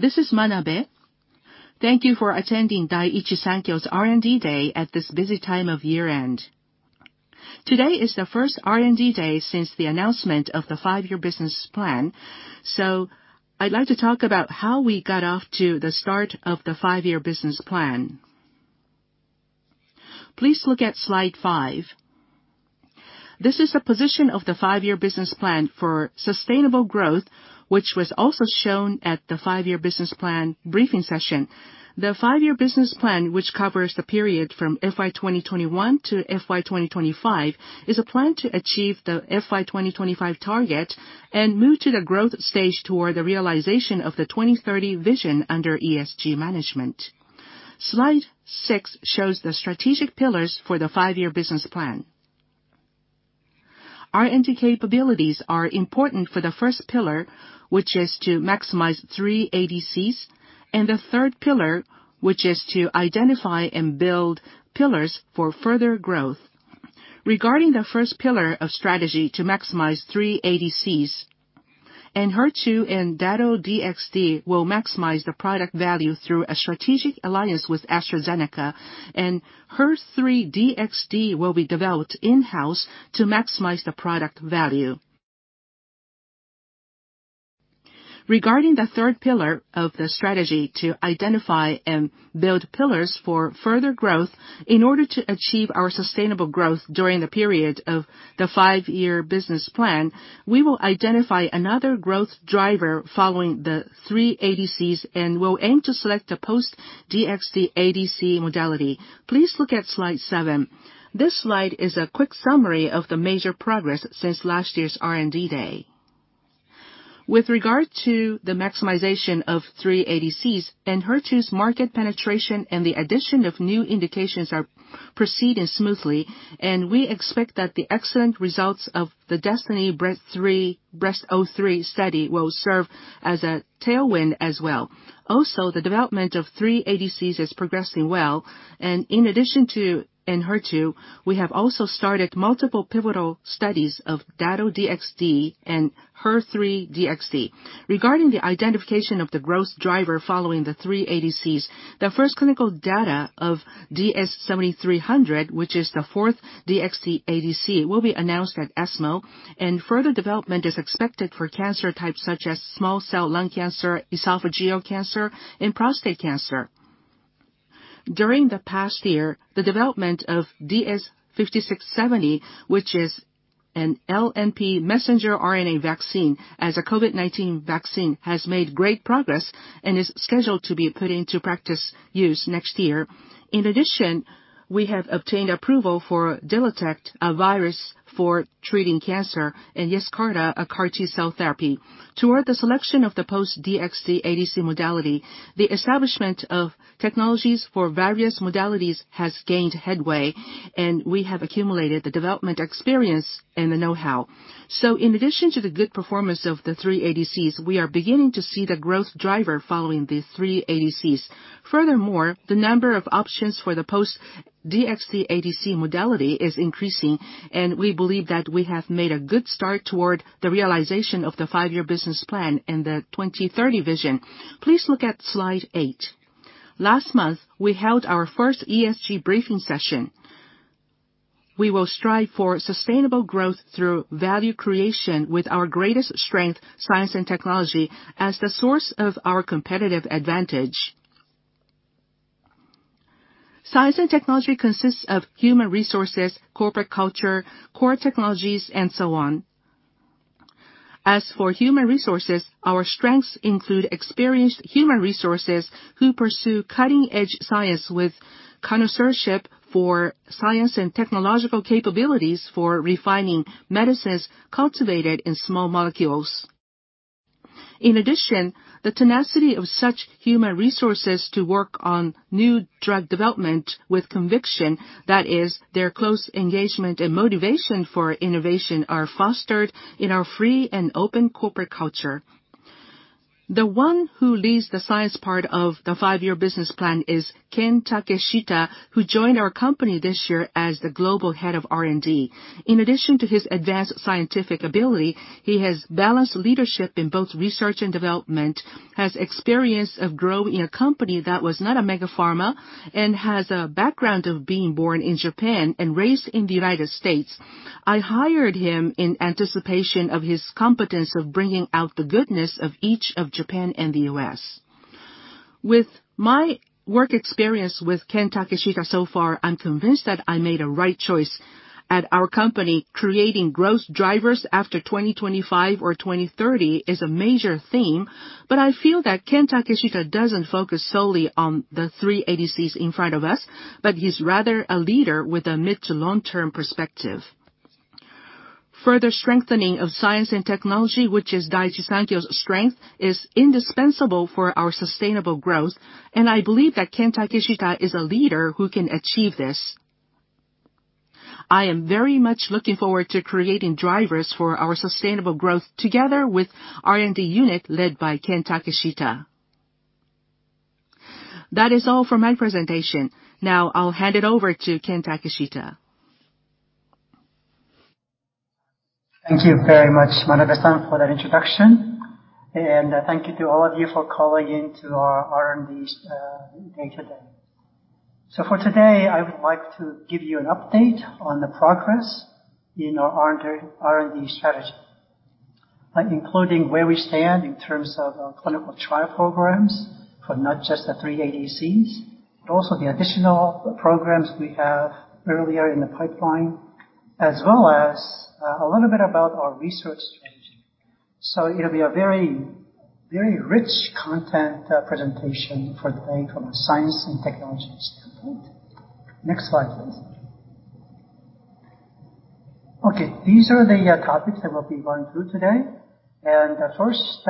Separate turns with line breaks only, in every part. This is Manabe. Thank you for attending Daiichi Sankyo's R&D Day at this busy time of year-end. Today is the first R&D Day since the announcement of the five-year business plan. I'd like to talk about how we got off to the start of the five-year business plan. Please look at slide 5. This is the position of the five-year business plan for sustainable growth, which was also shown at the five-year business plan briefing session. The five-year business plan, which covers the period from FY 2021 to FY 2025, is a plan to achieve the FY 2025 target and move to the growth stage toward the realization of the 2030 vision under ESG management. Slide 6 shows the strategic pillars for the five-year business plan. R&D capabilities are important for the first pillar, which is to maximize three ADCs, and the third pillar, which is to identify and build pillars for further growth. Regarding the first pillar of strategy to maximize three ADCs, ENHERTU and Dato-DXd will maximize the product value through a strategic alliance with AstraZeneca. HER3-DXd will be developed in-house to maximize the product value. Regarding the third pillar of the strategy to identify and build pillars for further growth, in order to achieve our sustainable growth during the period of the five-year business plan, we will identify another growth driver following the three ADCs and will aim to select a post-DXd ADC modality. Please look at slide seven. This slide is a quick summary of the major progress since last year's R&D Day. With regard to the maximization of three ADCs, ENHERTU's market penetration and the addition of new indications are proceeding smoothly. We expect that the excellent results of the DESTINY-Breast03 study will serve as a tailwind as well. The development of three ADCs is progressing well, and in addition to ENHERTU, we have also started multiple pivotal studies of Dato-DXd and HER3-DXd. Regarding the identification of the growth driver following the three ADCs, the first clinical data of DS-7300, which is the fourth DXd ADC, will be announced at ESMO. Further development is expected for cancer types such as small cell lung cancer, esophageal cancer, and prostate cancer. During the past year, the development of DS-5670, which is an LNP mRNA vaccine as a COVID-19 vaccine, has made great progress and is scheduled to be put into practical use next year. In addition, we have obtained approval for DELYTACT, a virus for treating cancer, and Yescarta, a CAR T-cell therapy. Toward the selection of the post-DXd ADC modality, the establishment of technologies for various modalities has gained headway, and we have accumulated the development experience and the know-how. In addition to the good performance of the three ADCs, we are beginning to see the growth driver following the three ADCs. Furthermore, the number of options for the post-DXd ADC modality is increasing, and we believe that we have made a good start toward the realization of the five-year business plan and the 2030 vision. Please look at slide 8. Last month, we held our first ESG briefing session. We will strive for sustainable growth through value creation with our greatest strength, science and technology as the source of our competitive advantage. Science and technology consists of human resources, corporate culture, core technologies, and so on. As for human resources, our strengths include experienced human resources who pursue cutting-edge science with connoisseurship for science and technological capabilities for refining medicines cultivated in small molecules. In addition, the tenacity of such human resources to work on new drug development with conviction, that is, their close engagement and motivation for innovation, are fostered in our free and open corporate culture. The one who leads the science part of the five-year business plan is Ken Takeshita, who joined our company this year as the global head of R&D. In addition to his advanced scientific ability, he has balanced leadership in both research and development, has experience of growing a company that was not a mega-pharma, and has a background of being born in Japan and raised in the United States. I hired him in anticipation of his competence of bringing out the goodness of each of Japan and the U.S. With my work experience with Ken Takeshita so far, I'm convinced that I made a right choice. At our company, creating growth drivers after 2025 or 2030 is a major theme. I feel that Ken Takeshita doesn't focus solely on the three ADCs in front of us, but he's rather a leader with a mid- to long-term perspective. Further strengthening of science and technology, which is Daiichi Sankyo's strength, is indispensable for our sustainable growth. I believe that Ken Takeshita is a leader who can achieve this. I am very much looking forward to creating drivers for our sustainable growth together with R&D unit led by Ken Takeshita. That is all for my presentation. Now I'll hand it over to Ken Takeshita.
Thank you very much, Manabe-san, for that introduction. Thank you to all of you for calling in to our R&D Day today. For today, I would like to give you an update on the progress in our R&D strategy, including where we stand in terms of our clinical trial programs for not just the three ADCs, but also the additional programs we have earlier in the pipeline, as well as a little bit about our research strategy. It'll be a very, very rich content presentation for today from a science and technology standpoint. Next slide, please. Okay, these are the topics that we'll be going through today. First,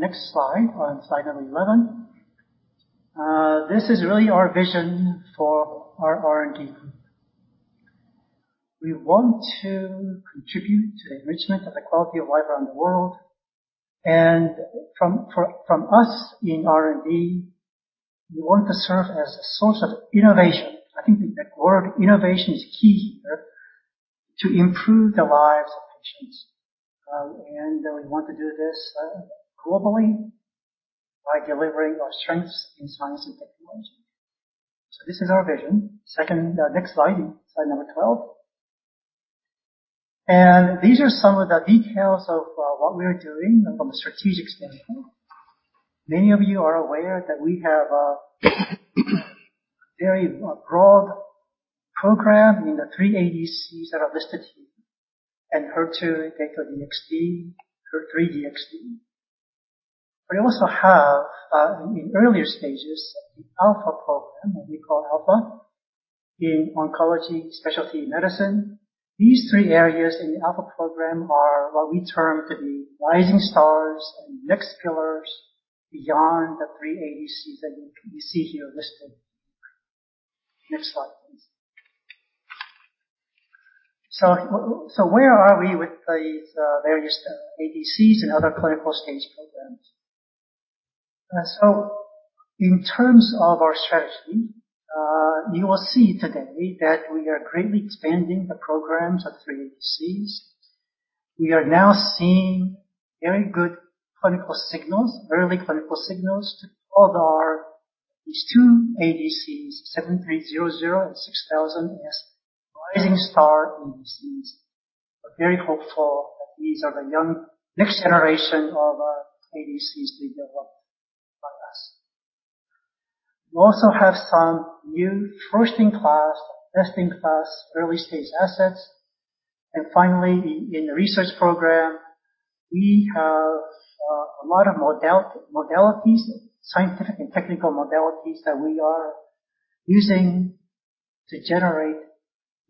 next slide, on slide number 11. This is really our vision for our R&D. We want to contribute to the enrichment of the quality of life around the world. From us in R&D, we want to serve as a source of innovation. I think the word innovation is key here to improve the lives of patients. We want to do this globally by delivering our strengths in science and technology. This is our vision. Second, next slide. Slide number 12. These are some of the details of what we are doing from a strategic standpoint. Many of you are aware that we have a very broad program in the three ADCs that are listed here, in HER2, Dato-DXd, HER3-DXd. We also have in earlier stages the Alpha program, what we call Alpha, in oncology specialty medicine. These three areas in the Alpha program are what we term to be rising stars and next pillars beyond the three ADCs that you see here listed. Next slide, please. Where are we with these various ADCs and other clinical-stage programs? In terms of our strategy, you will see today that we are greatly expanding the programs of three ADCs. We are now seeing very good clinical signals, early clinical signals in all our ADCs. These two ADCs, DS-7300 and DS-6000 as rising star ADCs. We're very hopeful that these are the young next generation of ADCs to develop for us. We also have some new first-in-class, best-in-class early-stage assets. Finally, in the research program, we have a lot of modalities, scientific and technical modalities that we are using to generate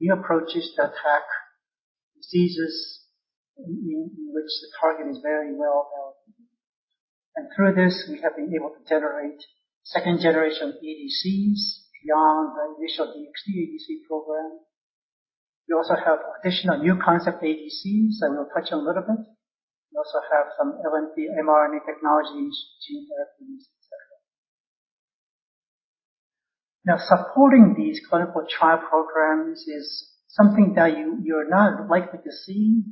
new approaches to attack diseases in which the target is very well-developed. Through this, we have been able to generate second-generation ADCs beyond the initial DXd ADC program. We also have additional new concept ADCs that we'll touch on a little bit. We also have some LNP, mRNA technologies, gene therapies, et cetera. Now, supporting these clinical trial programs is something that you're not likely to see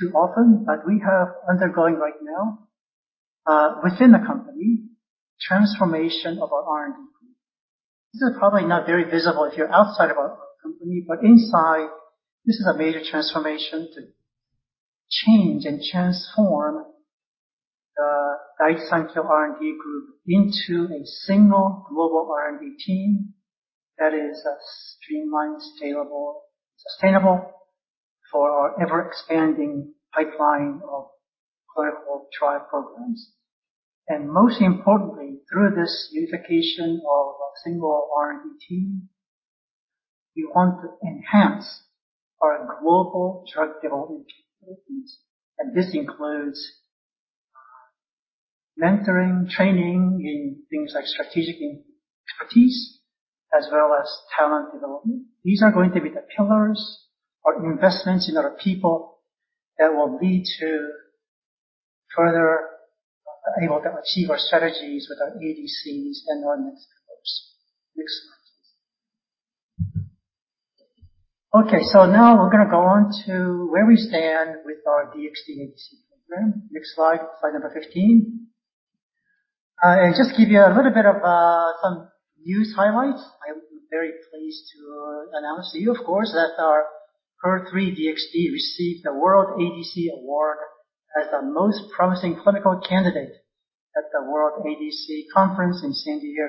too often, but we have undergoing right now within the company, transformation of our R&D group. This is probably not very visible if you're outside of our company, but inside, this is a major transformation to change and transform the Daiichi Sankyo R&D group into a single global R&D team that is streamlined, scalable, sustainable for our ever-expanding pipeline of clinical trial programs. Most importantly, through this unification of a single R&D team, we want to enhance our global drug development capabilities. This includes mentoring, training in things like strategic expertise as well as talent development. These are going to be the pillars or investments in our people that will lead to further able to achieve our strategies with our ADCs and our next pillars. Next slide, please. Okay, now we're gonna go on to where we stand with our DXd ADC program. Next slide number 15. Just to give you a little bit of some news highlights. I'm very pleased to announce to you, of course, that our HER3-DXd received the World ADC Award as the Most Promising Clinical Candidate at the World ADC San Diego.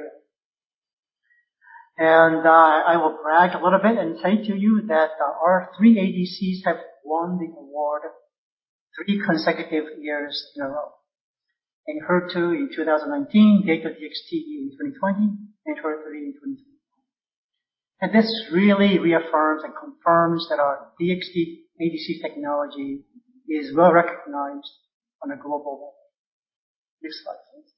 I will brag a little bit and say to you that our three ADCs have won the award three consecutive years in a row. In HER2 in 2019, Dato-DXd in 2020, and HER3 in 2021. This really reaffirms and confirms that our DXd ADC technology is well-recognized on a global level. Next slide, please.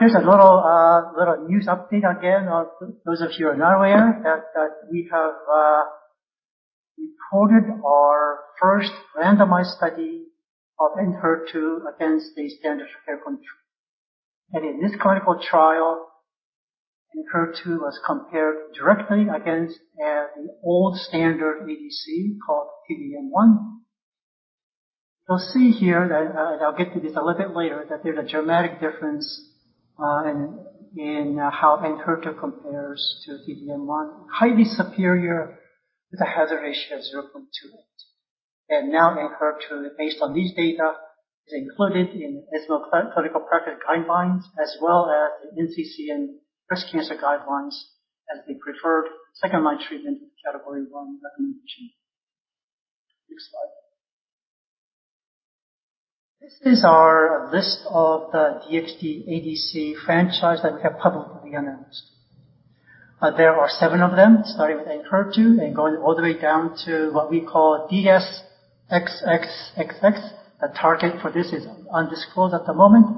Here's a little news update again. For those of you who are not aware that we have reported our first randomized study of Enhertu against the standard of care control. In this clinical trial, Enhertu was compared directly against the old standard ADC called T-DM1. You'll see here that I'll get to this a little bit later, that there's a dramatic difference in how ENHERTU compares to T-DM1. Highly superior with a hazard ratio of 0.28. Now ENHERTU, based on these data, is included in the ESMO clinical practice guidelines, as well as the NCCN breast cancer guidelines as the preferred second line treatment with category one recommendation. Next slide. This is our list of the DXd ADC franchise that we have publicly announced. There are seven of them, starting with ENHERTU and going all the way down to what we call DS-XXXX. The target for this is undisclosed at the moment.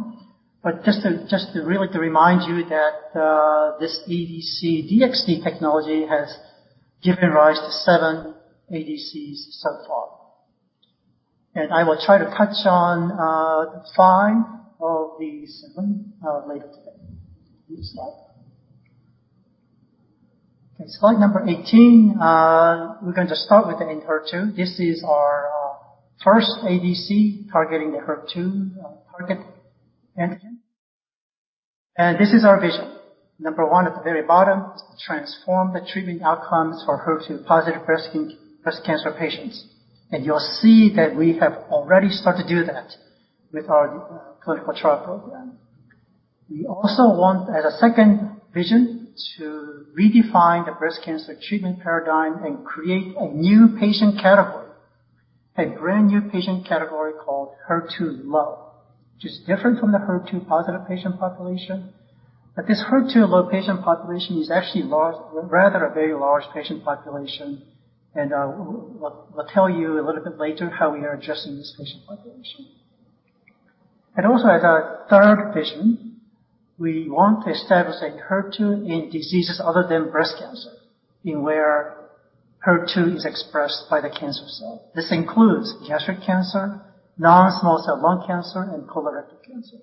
Just to really remind you that this ADC DXd technology has given rise to seven ADCs so far. I will try to touch on five of these seven later today. Next slide. Okay, slide number 18. We're going to start with the ENHERTU. This is our first ADC targeting the HER2 target antigen. This is our vision. Number one at the very bottom is to transform the treatment outcomes for HER2-positive breast cancer patients. You'll see that we have already started to do that with our clinical trial program. We also want, as a second vision, to redefine the breast cancer treatment paradigm and create a new patient category. A brand-new patient category called HER2-low, which is different from the HER2-positive patient population. This HER2-low patient population is actually rather a very large patient population, and we'll tell you a little bit later how we are addressing this patient population. As a third vision, we want to establish ENHERTU in diseases other than breast cancer, in where HER2 is expressed by the cancer cell. This includes gastric cancer, non-small cell lung cancer, and colorectal cancer.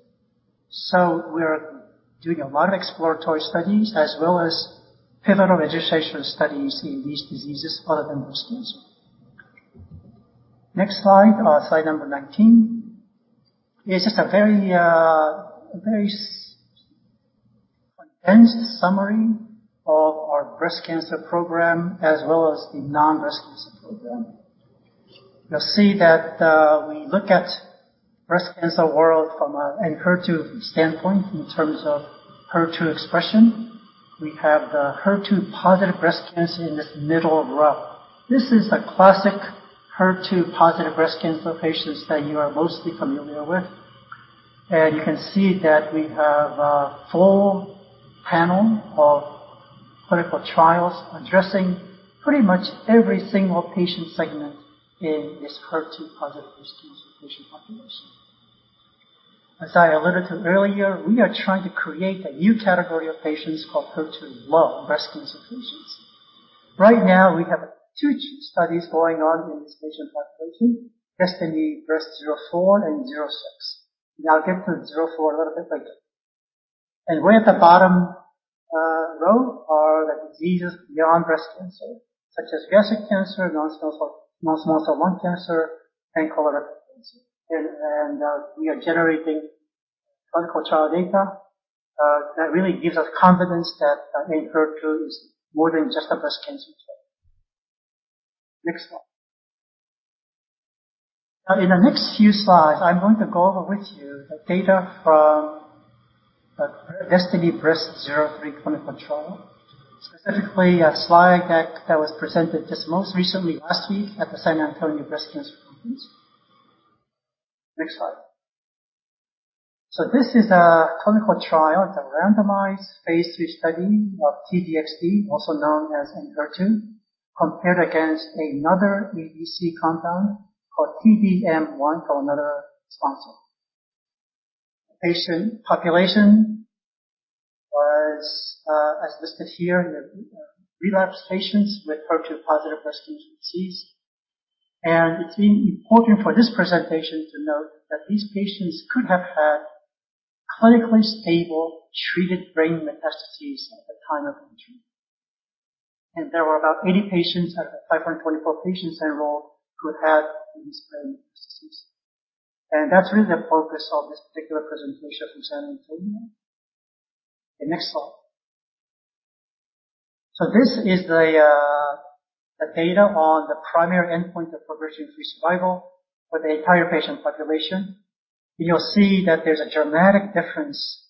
We're doing a lot of exploratory studies as well as pivotal registration studies in these diseases other than breast cancer. Next slide number 19. It's just a very condensed summary of our breast cancer program as well as the non-breast cancer program. You'll see that, we look at breast cancer world from a ENHERTU standpoint in terms of HER2 expression. We have the HER2-positive breast cancer in this middle row. This is the classic HER2-positive breast cancer patients that you are mostly familiar with. You can see that we have a full panel of clinical trials addressing pretty much every single patient segment in this HER2-positive breast cancer patient population. As I alluded to earlier, we are trying to create a new category of patients called HER2-low breast cancer patients. Right now, we have two studies going on in this patient population, DESTINY-Breast04 and DESTINY-Breast06. I'll get to the 04 a little bit later. Way at the bottom row are the diseases beyond breast cancer, such as gastric cancer, non-small cell lung cancer, and colorectal cancer. We are generating clinical trial data that really gives us confidence that ENHERTU is more than just a breast cancer drug. Next slide. Now in the next few slides, I'm going to go over with you the data from the DESTINY-Breast03 clinical trial, specifically a slide deck that was presented just most recently last week at the San Antonio Breast Cancer Symposium. Next slide. This is a clinical trial, it's a randomized phase II study of T-DXd, also known as ENHERTU, compared against another ADC compound called T-DM1 from another sponsor. Patient population was as listed here, relapse patients with HER2-positive breast cancer disease. It's important for this presentation to note that these patients could have had clinically stable treated brain metastases at the time of entry. There were about 80 patients out of the 544 patients enrolled who had these brain metastases. That's really the focus of this particular presentation from San Antonio. The next slide. This is the data on the primary endpoint of progression-free survival for the entire patient population. You'll see that there's a dramatic difference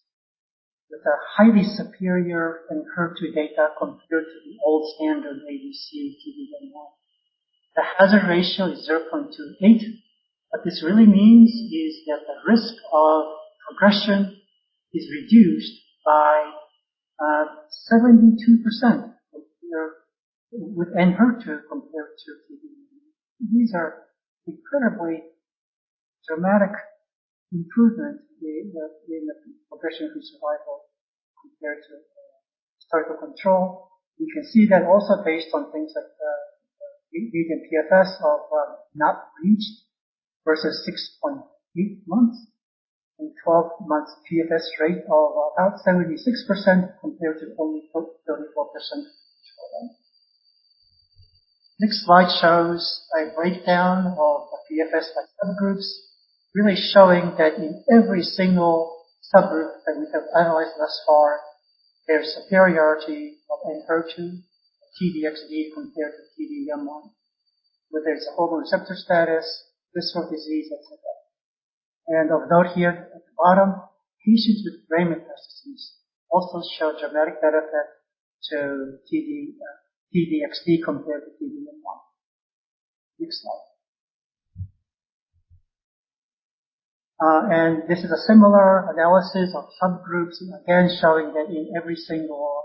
with a highly superior ENHERTU data compared to the old standard ADC T-DM1. The hazard ratio is 0.28. What this really means is that the risk of progression is reduced by 72% with ENHERTU compared to T-DM1. These are incredibly dramatic improvement in the progression-free survival compared to standard control. You can see that also based on things like Median PFS of not reached versus 6.8 months and 12 months PFS rate of about 76% compared to only 34% in the control arm. Next slide shows a breakdown of the PFS by subgroups, really showing that in every single subgroup that we have analyzed thus far, there's superiority of ENHERTU, or T-DXd, compared to T-DM1, whether it's hormonal receptor status, visceral disease, et cetera. Of note here at the bottom, patients with brain metastases also show dramatic benefit to T-DXd compared to T-DM1. Next slide. This is a similar analysis of subgroups again showing that in every single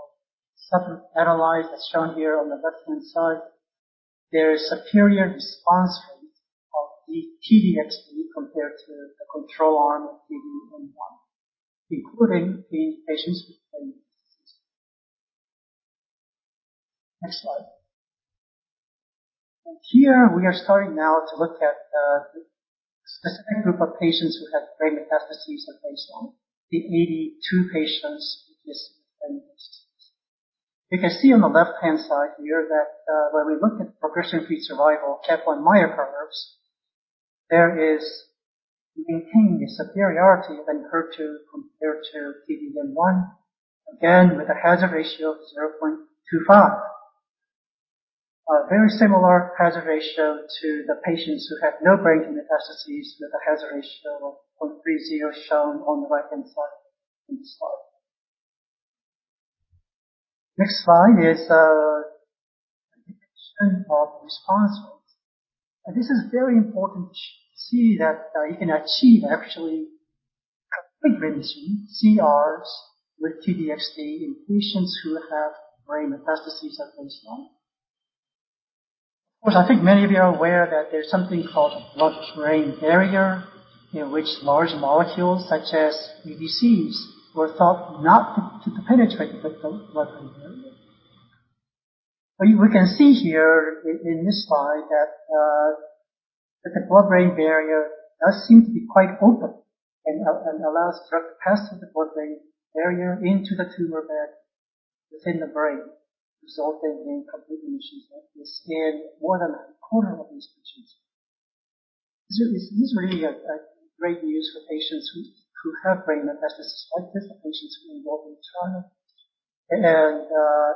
subgroup analyzed, as shown here on the left-hand side, there is superior response rate of the T-DXd compared to the control arm of T-DM1, including in patients with brain metastases. Next slide. Here we are starting now to look at the specific group of patients who had brain metastases at baseline, the 82 patients with this brain metastasis. We can see on the left-hand side here that, when we look at progression-free survival, Kaplan-Meier curves, we maintain the superiority of ENHERTU compared to T-DM1, again with a hazard ratio of 0.25. A very similar hazard ratio to the patients who have no brain metastases, with a hazard ratio of 0.30 shown on the right-hand side of the slide. Next slide is a depiction of response rates. This is very important to see that you can achieve actually complete remission, CRs, with T-DXd in patients who have brain metastases at baseline. Of course, I think many of you are aware that there's something called the blood-brain barrier in which large molecules, such as ADCs, were thought not to penetrate the blood-brain barrier. We can see here in this slide that the blood-brain barrier does seem to be quite open and allows drug to pass through the blood-brain barrier into the tumor bed within the brain, resulting in complete remission that we see in more than a quarter of these patients. This is really great news for patients who have brain metastases like this, the patients who enrolled in the trial.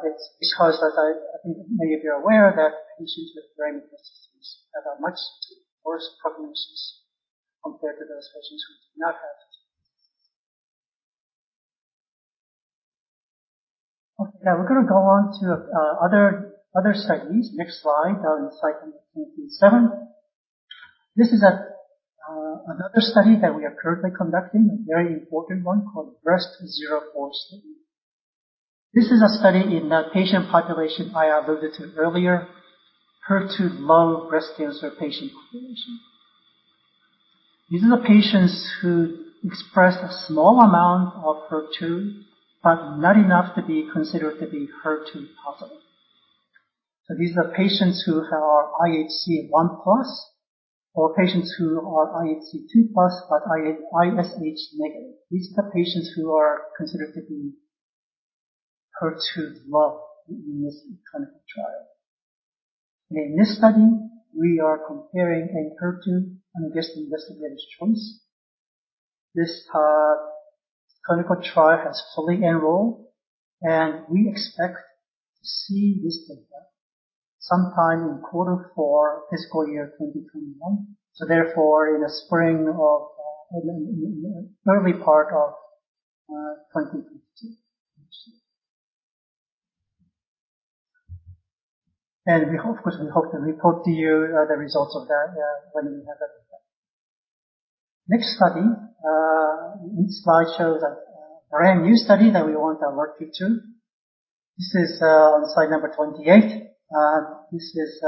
It's because, as I think many of you are aware, that patients with brain metastases have a much worse prognosis compared to those patients who do not have metastases. Okay, now we're gonna go on to other studies. Next slide. In slide number 27. This is another study that we are currently conducting, a very important one called the DESTINY-Breast04 study. This is a study in the patient population I alluded to earlier, HER2-low breast cancer patient population. These are the patients who express a small amount of HER2, but not enough to be considered to be HER2 positive. These are patients who are IHC 1+ or patients who are IHC 2+ but ISH negative. These are the patients who are considered to be HER2-low in this clinical trial. In this study, we are comparing ENHERTU against the investigator's choice. This clinical trial has fully enrolled, and we expect to see this data sometime in quarter four, fiscal year 2021, therefore in the early part of 2022. We of course hope to report to you the results of that when we have that data. Next study. This slide shows a brand new study that we want to alert you to. This is on slide number 28. This is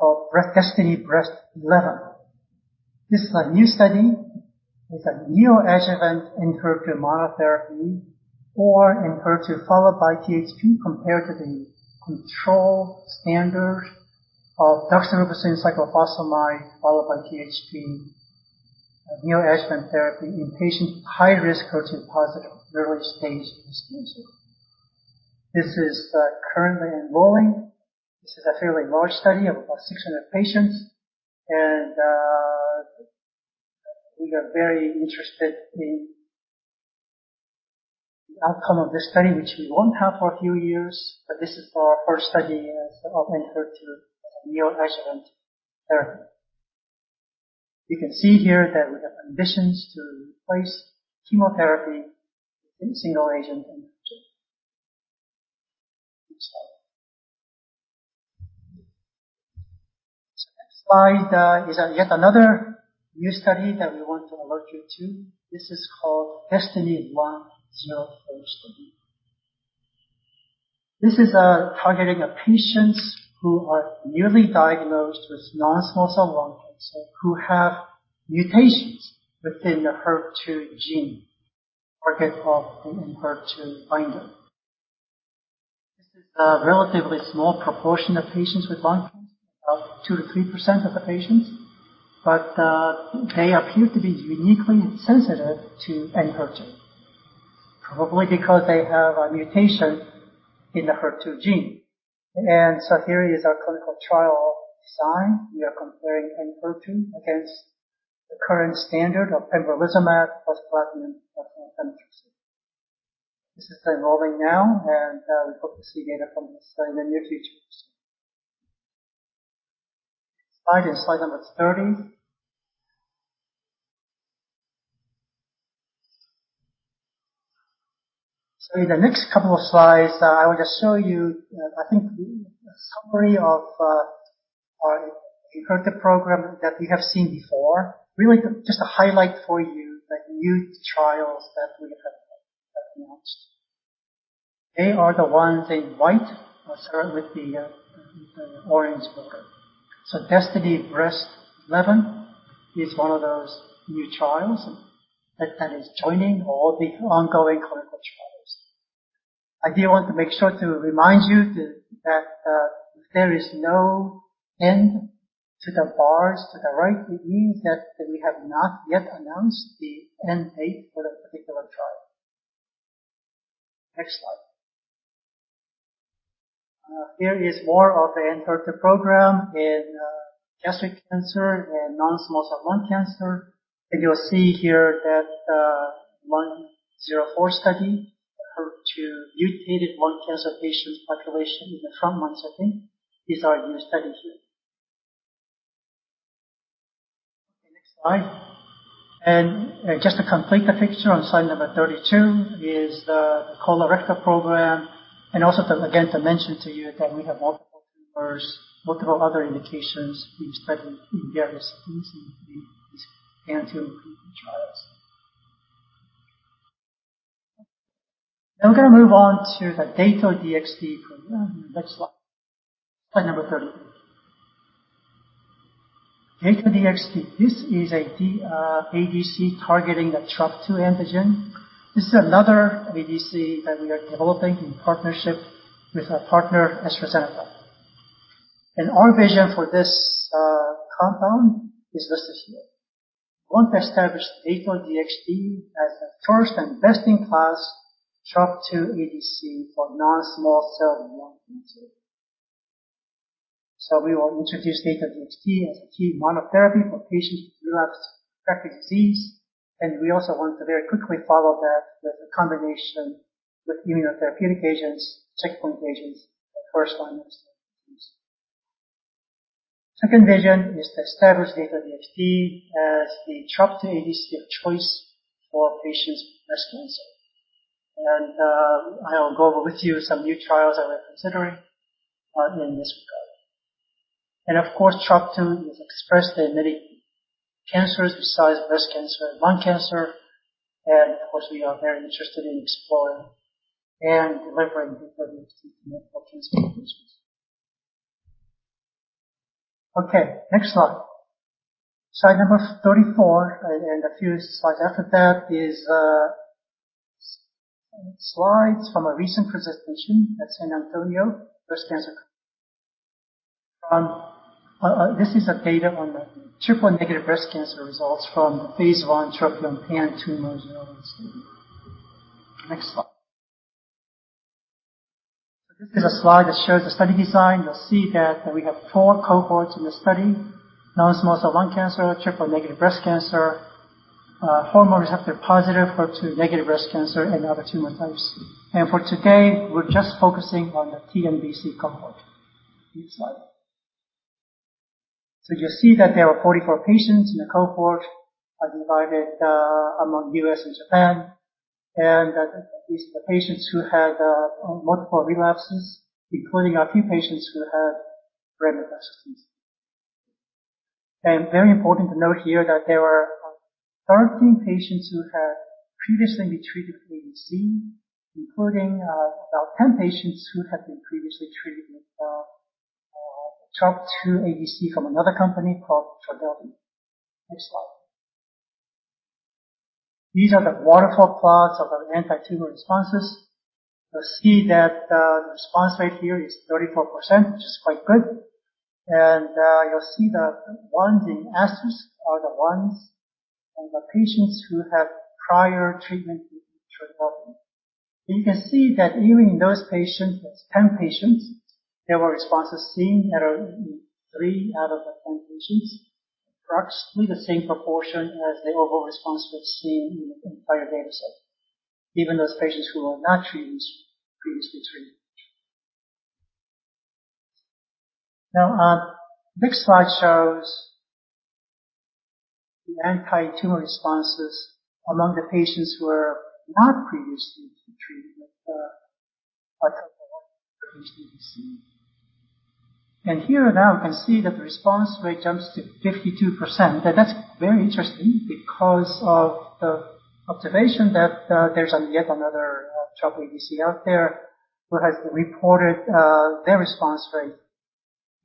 called DESTINY-Breast11. This is a new study with a neoadjuvant ENHERTU monotherapy or ENHERTU followed by THP, compared to the control standard of docetaxel and cyclophosphamide followed by THP, a neoadjuvant therapy in patients with high-risk HER2-positive early-stage breast cancer. This is currently enrolling. This is a fairly large study of about 600 patients. We are very interested in the outcome of this study, which we won't have for a few years. This is our first study of ENHERTU as a neoadjuvant therapy. You can see here that we have ambitions to replace chemotherapy with a single-agent ENHERTU. Next slide. Next slide is yet another new study that we want to alert you to. This is called DESTINY-Lung04 study. This is targeting patients who are newly diagnosed with non-small cell lung cancer, who have mutations within the HER2 gene. This is a relatively small proportion of patients with lung cancer, about 2%-3% of the patients, but they appear to be uniquely sensitive to ENHERTU. Probably because they have a mutation in the HER2 gene. Here is our clinical trial design. We are comparing ENHERTU against the current standard of pembrolizumab plus platinum plus nab-paclitaxel. This is enrolling now, and we hope to see data from this study in the near future. Slide is slide number 30. In the next couple of slides, I want to show you, I think the summary of our ENHERTU program that we have seen before. Really just to highlight for you the new trials that we have launched. They are the ones in white with the orange border. DESTINY Breast Eleven is one of those new trials that is joining all the ongoing clinical trials. I did want to make sure to remind you that, if there is no end to the bars to the right, it means that we have not yet announced the end date for that particular trial. Next slide. Here is more of the ENHERTU program in gastric cancer and non-small cell lung cancer. You'll see here that 104 study, the HER2-mutated lung cancer patients population in the front line setting is our new study here. Okay, next slide. Just to complete the picture on slide number 32 is the colorectal program and also to again mention to you that we have multiple tumors, multiple other indications being studied in various phases in these ongoing clinical trials. Now we're going to move on to the Dato-DXd program. Next slide. Slide number 30. Dato-DXd. This is a ADC targeting the Trop-two antigen. This is another ADC that we are developing in partnership with our partner, AstraZeneca. Our vision for this compound is listed here. We want to establish Dato-DXd as a first and best-in-class Trop-two ADC for non-small cell lung cancer. We will introduce Dato-DXd as a key monotherapy for patients with relapsed or refractory disease. We also want to very quickly follow that with a combination with immunotherapeutic agents, checkpoint agents, the first line of defense. Second vision is to establish Dato-DXd as the TROP2 ADC of choice for patients with breast cancer. I'll go over with you some new trials that we're considering in this regard. Of course, TROP2 is expressed in many cancers besides breast cancer and lung cancer. Of course, we are very interested in exploring and delivering ADCs in other cancer indications. Okay, next slide. Slide number 34, a few slides after that is slides from a recent presentation at San Antonio Breast Cancer Symposium. This is the data on the triple-negative breast cancer results from the phase I TROPION-PanTumor01 study. Next slide. This is a slide that shows the study design. You'll see that we have four cohorts in the study: non-small cell lung cancer, triple-negative breast cancer, hormone receptor-positive HER2-negative breast cancer, and other tumor types. For today, we're just focusing on the TNBC cohort. Next slide. You'll see that there are 44 patients in the cohort, divided among U.S. and Japan. That these are the patients who had multiple relapses, including a few patients who had brain metastases. Very important to note here that there were 13 patients who had previously been treated with ADC, including about 10 patients who had been previously treated with TROP2 ADC from another company called Trodelvy. Next slide. These are the waterfall plots of the anti-tumor responses. You'll see that the response rate here is 34%, which is quite good. You'll see the ones in asterisk are the ones in the patients who had prior treatment with Trodelvy. You can see that even in those patients, those 10 patients, there were responses seen in 3 out of the 10 patients, approximately the same proportion as the overall response we've seen in the entire data set. Even those patients who were previously treated. Now this slide shows the anti-tumor responses among the patients who were not previously treated with either one of the ADCs. Here now we can see that the response rate jumps to 52%. That's very interesting because of the observation that there's yet another Trop ADC out there who has reported their response rate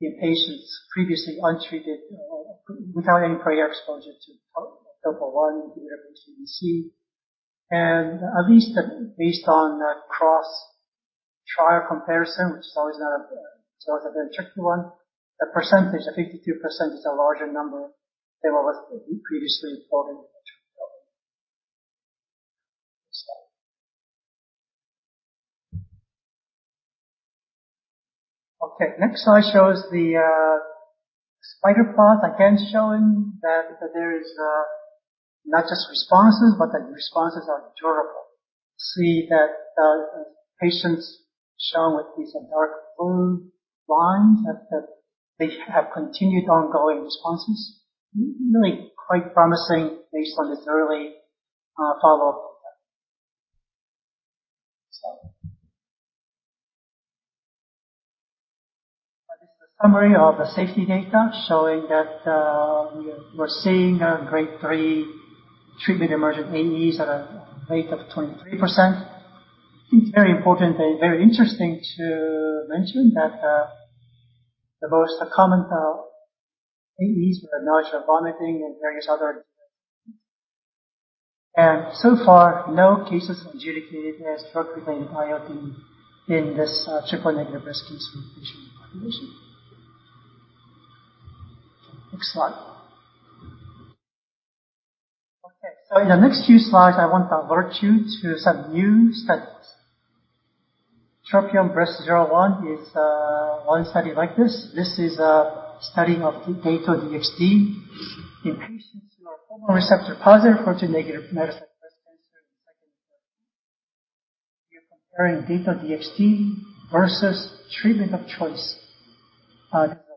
in patients previously untreated or without any prior exposure to Topo1, IRBC, BC. At least based on a cross trial comparison, which is always not a, it's always an interesting one. The percentage of 52% is a larger number than what was previously reported in the literature. Next slide. Okay, next slide shows the spider plot again showing that there is not just responses, but the responses are durable. See that the patients shown with these dark blue lines that they have continued ongoing responses. Really quite promising based on this early follow-up data. This is a summary of the safety data showing that we're seeing a grade 3 treatment-emergent AEs at a rate of 23%. I think it's very important and very interesting to mention that the most common AEs were nausea, vomiting, and various other. So far, no cases adjudicated as drug-related ILD in this triple-negative breast cancer patient population. Next slide. Okay, in the next few slides, I want to alert you to some new studies. TROPION-Breast01 is one study like this. This is a study of Dato-DXd in patients who are hormone receptor-positive, HER2-negative metastatic breast cancer in second or third line. We are comparing Dato-DXd versus treatment of choice.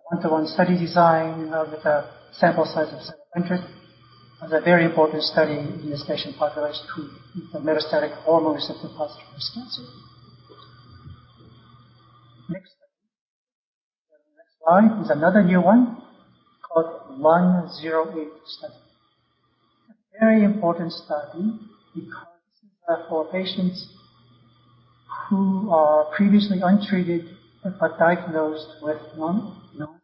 This is a 1-to-1 study design with a sample size of 700. It's a very important study in this patient population to include the metastatic hormone receptor-positive breast cancer. Next slide. The next slide is another new one called 108 study. A very important study because this is for patients who are previously untreated but diagnosed with non-small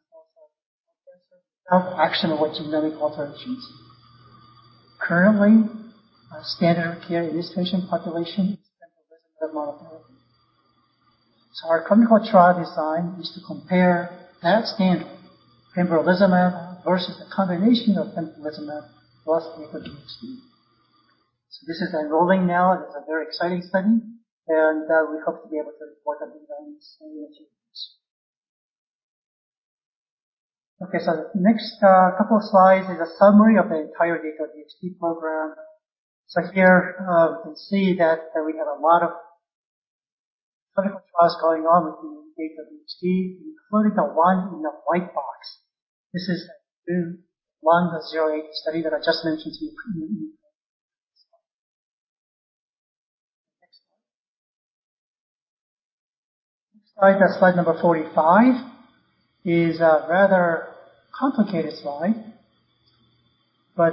cell lung cancer without actionable genomic alterations. Currently, our standard of care in this patient population is pembrolizumab monotherapy. Our clinical trial design is to compare that standard, pembrolizumab, versus a combination of pembrolizumab plus Dato-DXd. This is enrolling now, and it's a very exciting study, and we hope to be able to report on the findings in the near future. Okay, the next couple of slides is a summary of the entire Dato-DXd program. Here, you can see that we have a lot of clinical trials going on within Dato-DXd, including the one in the white box. This is the 108 study that I just mentioned to you previously. Next slide. Next slide. That's slide number 45, is a rather complicated slide.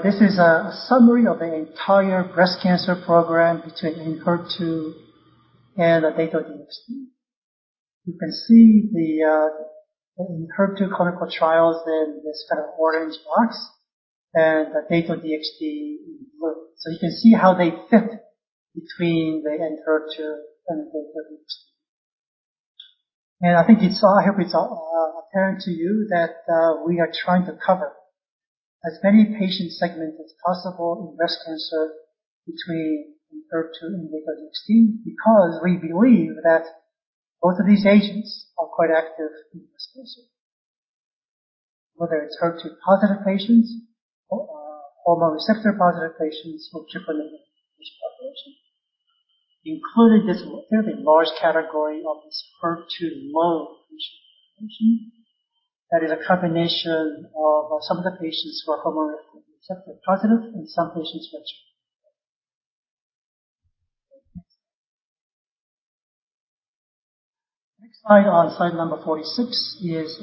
This is a summary of the entire breast cancer program between ENHERTU and Dato-DXd. You can see the ENHERTU clinical trials in this kind of orange box and the Dato-DXd blue. You can see how they fit between the ENHERTU and the Dato-DXd. I hope it's apparent to you that we are trying to cover as many patient segments as possible in breast cancer between ENHERTU and Dato-DXd because we believe that both of these agents are quite active in breast cancer. Whether it's HER2-positive patients or hormone receptor-positive patients or triple-negative breast population, including this fairly large category of this HER2-low patient population. That is a combination of some of the patients who are hormone receptor-positive and some patients which are. Next slide, on slide number 46 is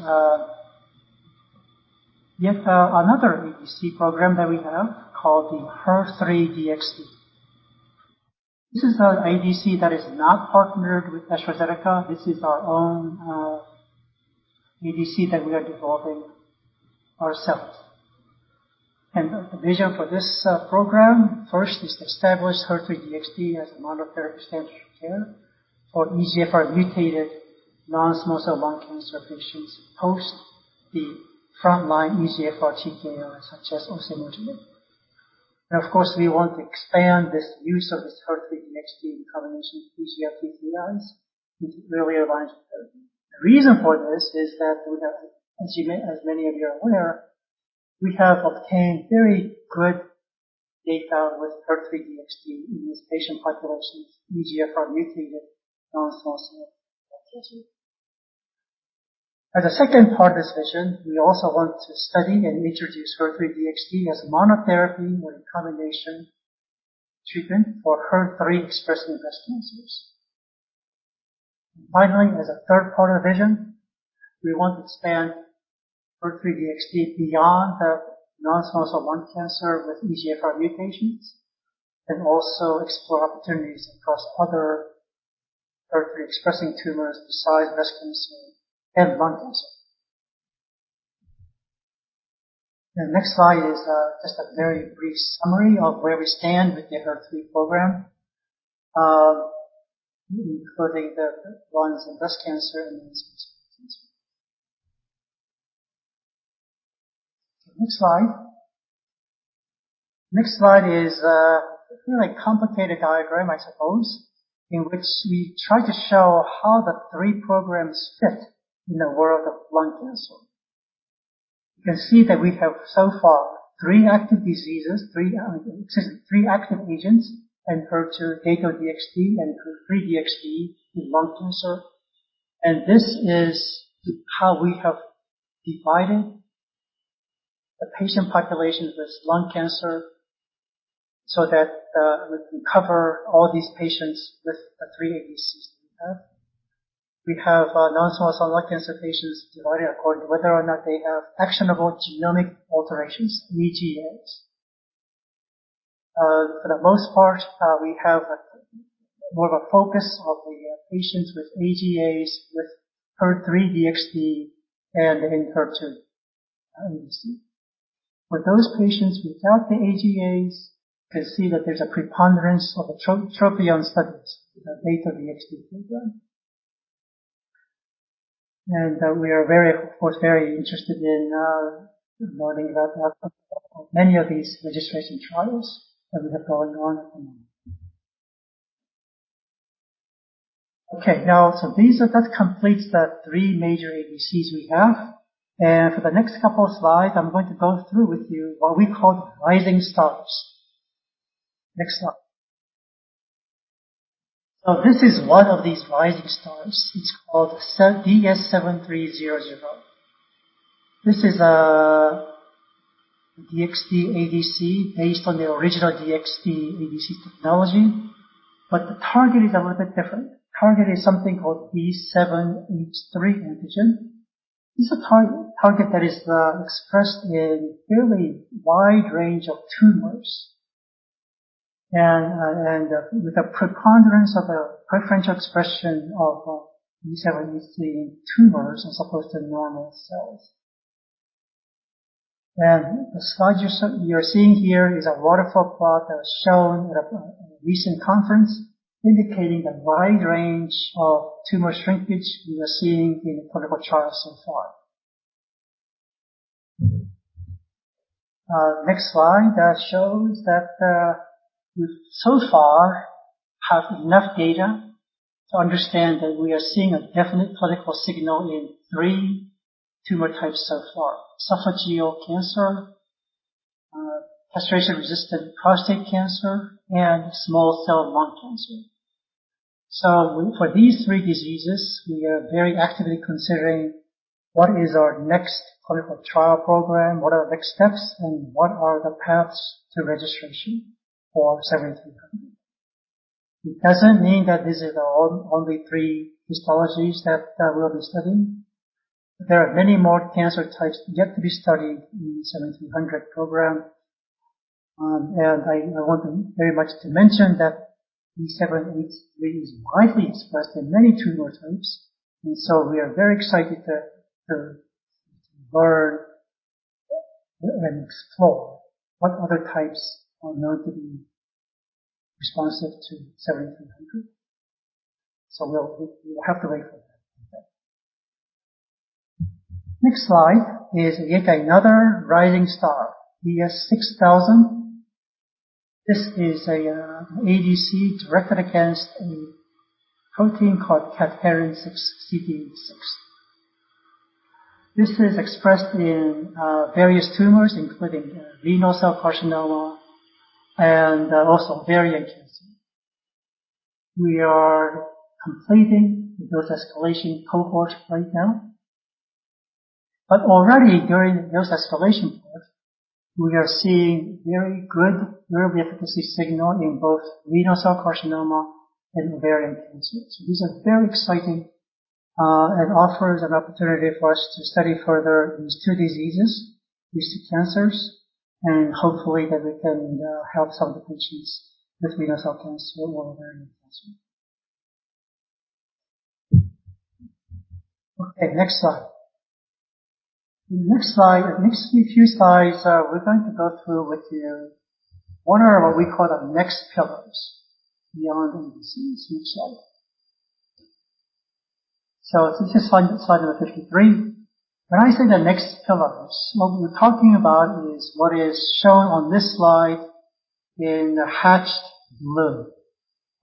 yet another ADC program that we have called the HER3-DXd. This is our ADC that is not partnered with AstraZeneca. This is our own ADC that we are developing ourselves. The vision for this program, first is to establish HER3-DXd as monotherapy standard of care for EGFR mutated non-small cell lung cancer patients post the frontline EGFR TKI, such as osimertinib. Of course, we want to expand this use of this HER3-DXd in combination with EGFR TKIs, which really aligns with the... The reason for this is that we have, as many of you are aware, we have obtained very good data with HER3-DXd in this patient population, EGFR-mutated non-small cell lung cancer. As a second part of this vision, we also want to study and introduce HER3-DXd as monotherapy or a combination treatment for HER3-expressing breast cancers. Finally, as a third part of vision, we want to expand HER3-DXd beyond the non-small cell lung cancer with EGFR mutations and also explore opportunities across other HER3-expressing tumors besides breast cancer and lung cancer. The next slide is just a very brief summary of where we stand with the HER3 program, including the ones in breast cancer and non-small cell lung cancer. Next slide. Next slide is a really complicated diagram, I suppose, in which we try to show how the three programs fit in the world of lung cancer. You can see that we have so far three active agents in HER2, Dato-DXd, and HER3-DXd in lung cancer. This is how we have divided the patient populations with lung cancer so that we can cover all these patients with the three ADCs we have. We have non-small cell lung cancer patients divided according to whether or not they have Actionable Genomic Alterations, AGAs. For the most part, we have more of a focus on the patients with AGAs with HER3-DXd and in HER2. Let me see. For those patients without the AGAs, you can see that there's a preponderance of TROPION studies with the Dato-DXd program. We are very, of course, very interested in learning about the outcome of many of these registration trials that we have going on at the moment. Okay, that completes the three major ADCs we have. For the next couple of slides, I'm going to go through with you what we call Rising Stars. Next slide. This is one of these Rising Stars. It's called DS-7300. This is a DXd ADC based on the original DXd ADC technology, but the target is a little bit different. The target is something called B7-H3 antigen. This is a target that is expressed in a fairly wide range of tumors and with a preponderance of a preferential expression of B7-H3 in tumors as opposed to normal cells. The slide you're seeing here is a waterfall plot that was shown at a recent conference indicating the wide range of tumor shrinkage we are seeing in clinical trials so far. Next slide. That shows that we so far have enough data to understand that we are seeing a definite clinical signal in three tumor types so far: esophageal cancer, castration-resistant prostate cancer, and small cell lung cancer. For these three diseases, we are very actively considering what is our next clinical trial program, what are the next steps, and what are the paths to registration for DS-7300. It doesn't mean that this is the only three histologies that we'll be studying. There are many more cancer types yet to be studied in the 7300 program. I want very much to mention that B7-H3 is widely expressed in many tumor types, and we are very excited to learn and explore what other types are known to be responsive to 7300. We'll have to wait for that. Next slide is yet another Rising Star, DS-6000. This is a ADC directed against a protein called cadherin 6, CDH6. This is expressed in various tumors, including renal cell carcinoma and also ovarian cancer. We are completing the dose escalation cohort right now. Already during the dose escalation cohort, we are seeing very good efficacy signal in both renal cell carcinoma and ovarian cancer. These are very exciting and offers an opportunity for us to study further these two diseases, these two cancers, and hopefully that we can help some of the patients with renal cell cancer or ovarian cancer. Okay, next slide. In the next slide, at least a few slides, we're going to go through with you what we call the next pillars beyond ADCs. Next slide. This is slide number 53. When I say the next pillars, what we're talking about is what is shown on this slide in the hatched blue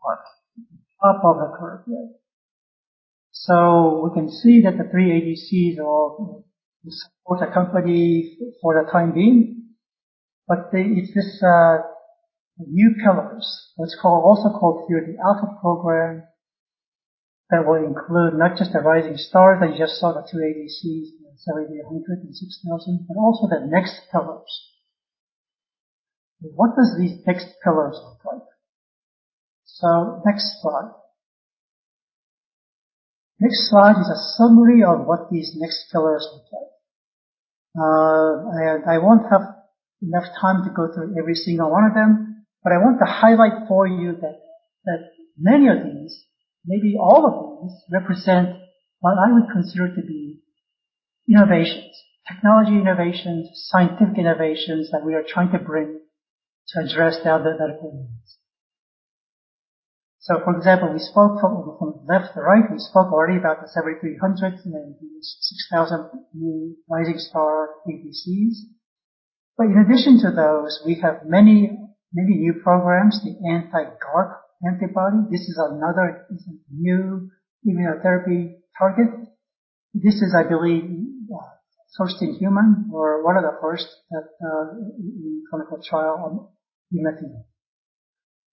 part at the top of the curve there. We can see that the three ADCs will support the company for the time being. They... It's this new pillars, what's called, also called here the Alpha program, that will include not just the Rising Stars that you just saw, the two ADCs, DS-7300 and DS-6000, but also the next pillars. What does these next pillars look like? Next slide. Next slide is a summary of what these next pillars look like. I won't have enough time to go through every single one of them, but I want to highlight for you that many of these, maybe all of these, represent what I would consider to be innovations. Technology innovations, scientific innovations that we are trying to bring to address the other medical needs. For example, we spoke from left to right, we spoke already about the DS-7300, and then these DS-6000 new Rising Star ADCs. In addition to those, we have many, many new programs. The anti-GARP antibody. This is another new immunotherapy target. This is, I believe, first in human or one of the first that, in clinical trial of immeta.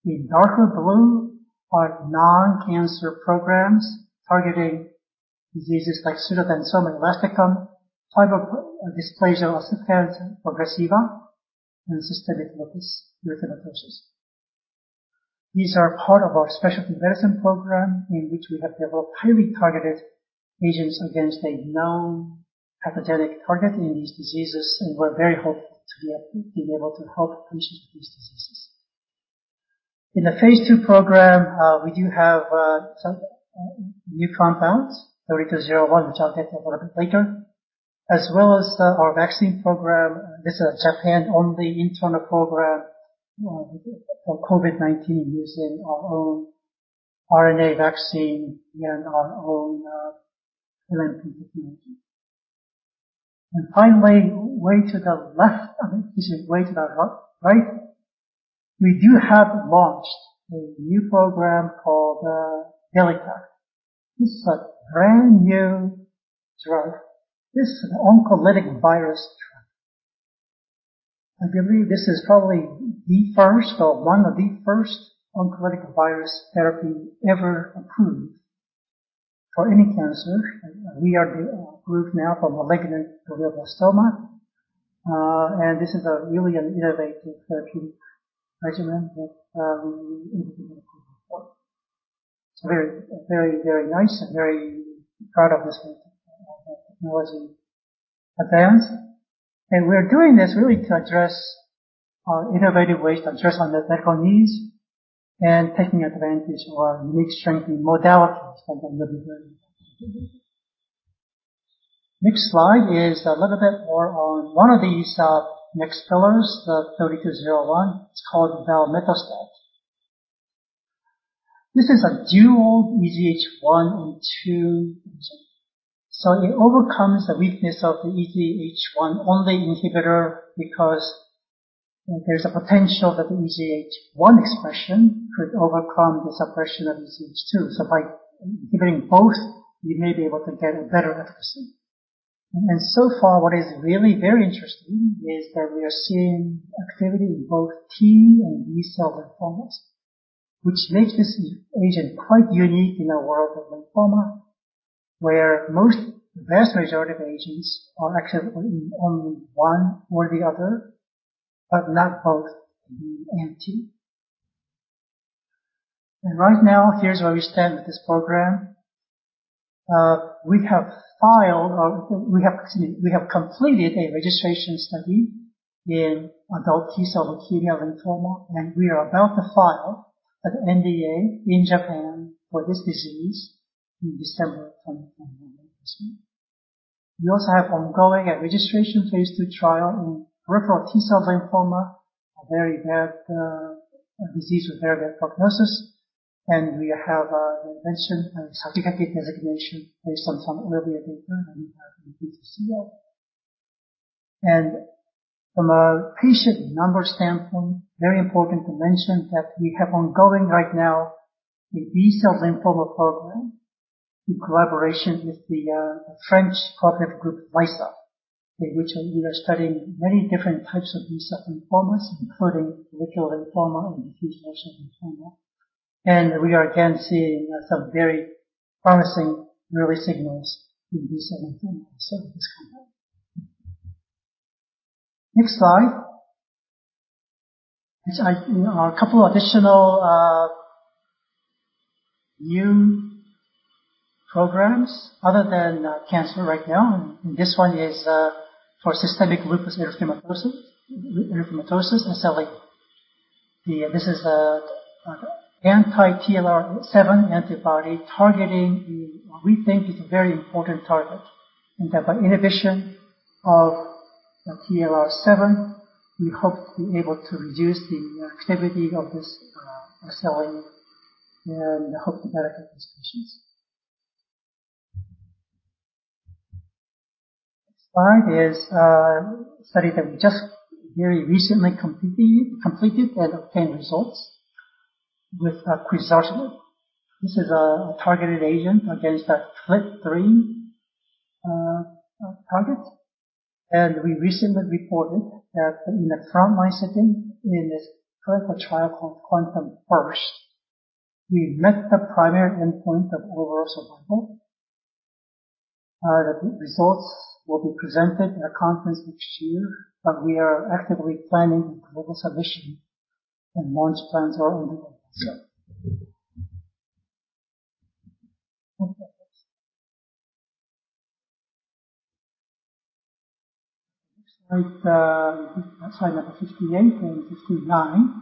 The darker blue are non-cancer programs targeting diseases like pseudoxanthoma elasticum, fibrodysplasia ossificans progressiva, and systemic lupus erythematosus. These are part of our specialty medicine program in which we have developed highly targeted agents against a known pathogenic target in these diseases, and we're very hopeful to be able to help patients with these diseases. In the phase II program, we do have some new compounds, 3201, which I'll get to a little bit later, as well as, our vaccine program. This is a Japan-only internal program for COVID-19 using our own RNA vaccine and our own delivery technology. Finally, way to the left, I mean, this is way to the right. We do have launched a new program called DELYTACT. This is a brand new drug. This is an oncolytic virus drug. I believe this is probably the first or one of the first oncolytic virus therapy ever approved for any cancer. We are the group now for malignant glioblastoma. This is really an innovative therapeutic regimen that we implemented moving forward. It's very nice and very proud of this technology advance. We're doing this really to address our innovative ways to address unmet medical needs and taking advantage of our unique strength in modalities that we'll be hearing about. Next slide is a little bit more on one of these next pillars, the DS-3201. It's called valemetostat. This is a dual EZH 1 and 2 inhibitor. It overcomes the weakness of the EZH 1 only inhibitor because there's a potential that the EZH 1 expression could overcome the suppression of EZH 2. By inhibiting both, we may be able to get a better efficacy. So far what is really very interesting is that we are seeing activity in both T- and B-cell lymphomas, which makes this agent quite unique in the world of lymphoma, where vast majority of agents are active in only one or the other, but not both in MT. Right now, here's where we stand with this program. We have completed a registration study in adult T-cell leukemia/lymphoma, and we are about to file an NDA in Japan for this disease in December 2021. We also have an ongoing registration phase II trial in peripheral T-cell lymphoma, a very bad disease with very bad prognosis. We have an accelerated designation based on some early data in PTCL. From a patient number standpoint, very important to mention that we have ongoing right now a B-cell lymphoma program in collaboration with the French cooperative group, LYSA, in which we are studying many different types of B-cell lymphomas, including follicular lymphoma and diffuse large B-cell lymphoma. We are again seeing some very promising early signals in B-cell lymphoma. This is good. Next slide. A couple additional new programs other than cancer right now. This one is for systemic lupus erythematosus and vasculitis. This is an anti-TLR7 antibody targeting, we think, is a very important target, and that by inhibition of the TLR7, we hope to be able to reduce the activity of this cytokine and hope to benefit these patients. Next slide is a study that we just very recently completed and obtained results with, quizartinib. This is a targeted agent against a FLT3 target. We recently reported that in this clinical trial called QuANTUM-First, we met the primary endpoint of overall survival. The results will be presented in a conference next year, but we are actively planning a global submission and launch plans are underway.
Yeah.
Okay. Next. Slide 58 and 59.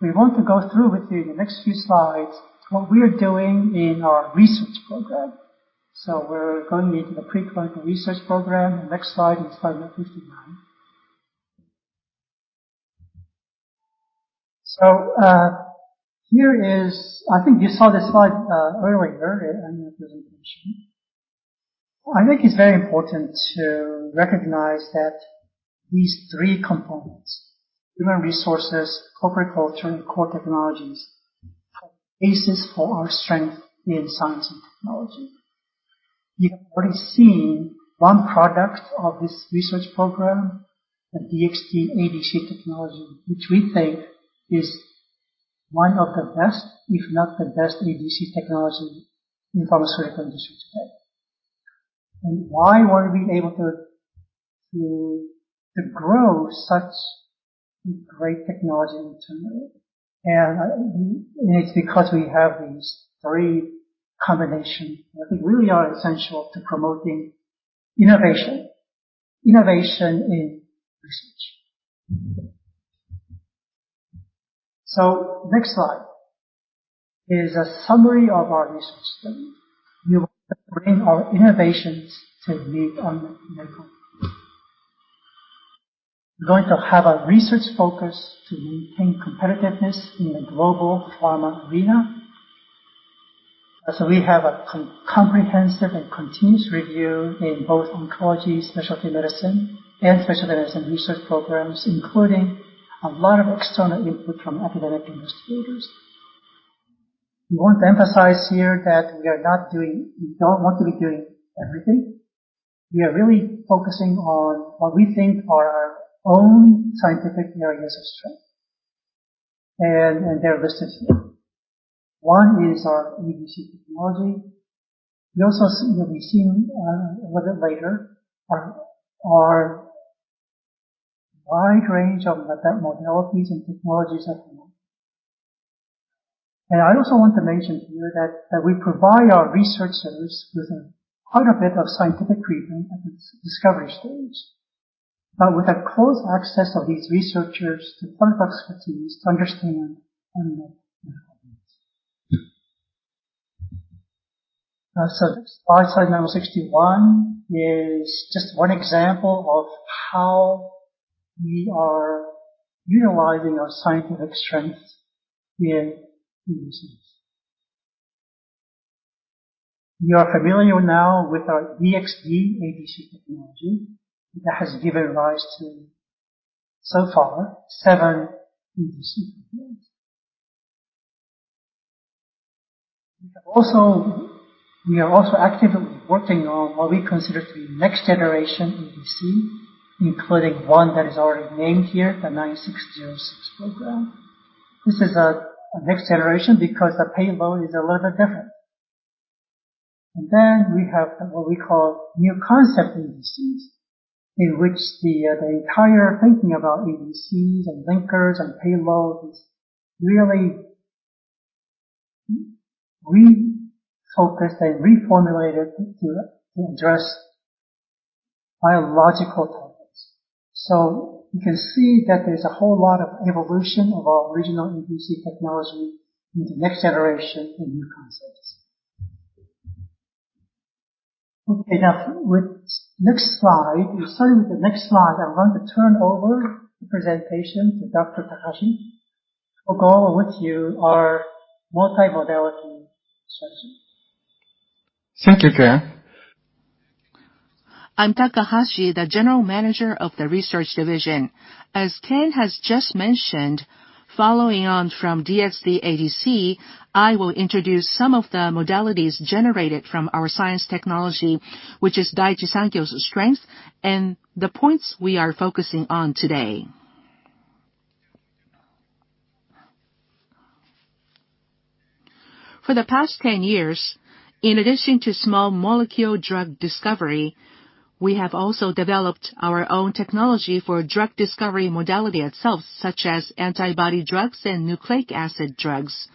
We want to go through with you in the next few slides what we are doing in our research program. We're going into the preclinical research program. The next slide is slide number 59. Here is. I think you saw this slide earlier in the presentation. I think it's very important to recognize that these three components, human resources, corporate culture, and core technologies, form the basis for our strength in science and technology. You have already seen one product of this research program, the DXd ADC technology, which we think is one of the best, if not the best ADC technology in pharmaceutical industry today. Why were we able to to grow such great technology internally? It's because we have these three combination that I think really are essential to promoting innovation in research. Next slide is a summary of our research program. We want to bring our innovations to meet unmet medical needs. We're going to have a research focus to maintain competitiveness in the global pharma arena. We have a comprehensive and continuous review in both oncology specialty medicine and specialty medicine research programs, including a lot of external input from academic investigators. We want to emphasize here that we are not doing. We don't want to be doing everything. We are really focusing on what we think are our own scientific areas of strength, and they're listed here. One is our ADC technology. You also will be seeing a little later our wide range of modalities and technologies at the moment. I also want to mention to you that we provide our researchers with quite a bit of scientific freedom at the discovery stage with a close access of these researchers to product expertise to understand unmet medical needs. Slide number 61 is just one example of how we are utilizing our scientific strengths in ADCs. You are familiar now with our DXd ADC technology that has given rise to, so far, seven ADC programs. We are also actively working on what we consider to be next generation ADC, including one that is already named here, the DS-9606 program. This is a next generation because the payload is a little bit different. We have what we call new concept ADCs, in which the entire thinking about ADCs and linkers and payloads is really refocused and reformulated to address biological targets. You can see that there's a whole lot of evolution of our original ADC technology into next generation and new concepts. Okay. Now with next slide. Starting with the next slide, I'm going to turn over the presentation to Dr. Takahashi, who will go over with you our multi-modality strategy.
Thank you, Ken. I'm Takahashi, the General Manager of the Research Division. As Ken has just mentioned, following on from DXd ADC, I will introduce some of the modalities generated from our science technology, which is Daiichi Sankyo's strength, and the points we are focusing on today. For the past 10 years, in addition to small molecule drug discovery, we have also developed our own technology for drug discovery modality itself, such as antibody drugs and nucleic acid drugs.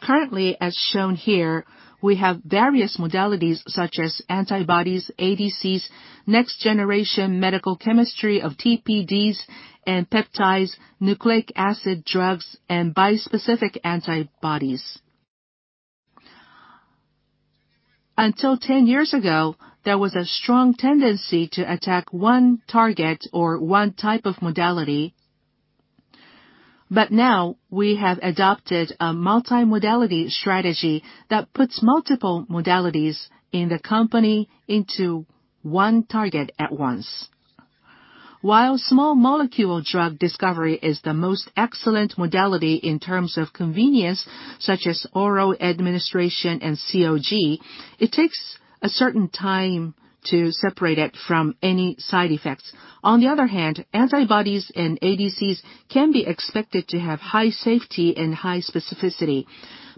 Currently, as shown here, we have various modalities such as antibodies, ADCs, next-generation medical chemistry of TPDs and peptides, nucleic acid drugs, and bispecific antibodies. Until 10 years ago, there was a strong tendency to attack one target or one type of modality. Now we have adopted a multi-modality strategy that puts multiple modalities in the company into one target at once.
While small molecule drug discovery is the most excellent modality in terms of convenience, such as oral administration and COGS, it takes a certain time to separate it from any side effects. On the other hand, antibodies and ADCs can be expected to have high safety and high specificity.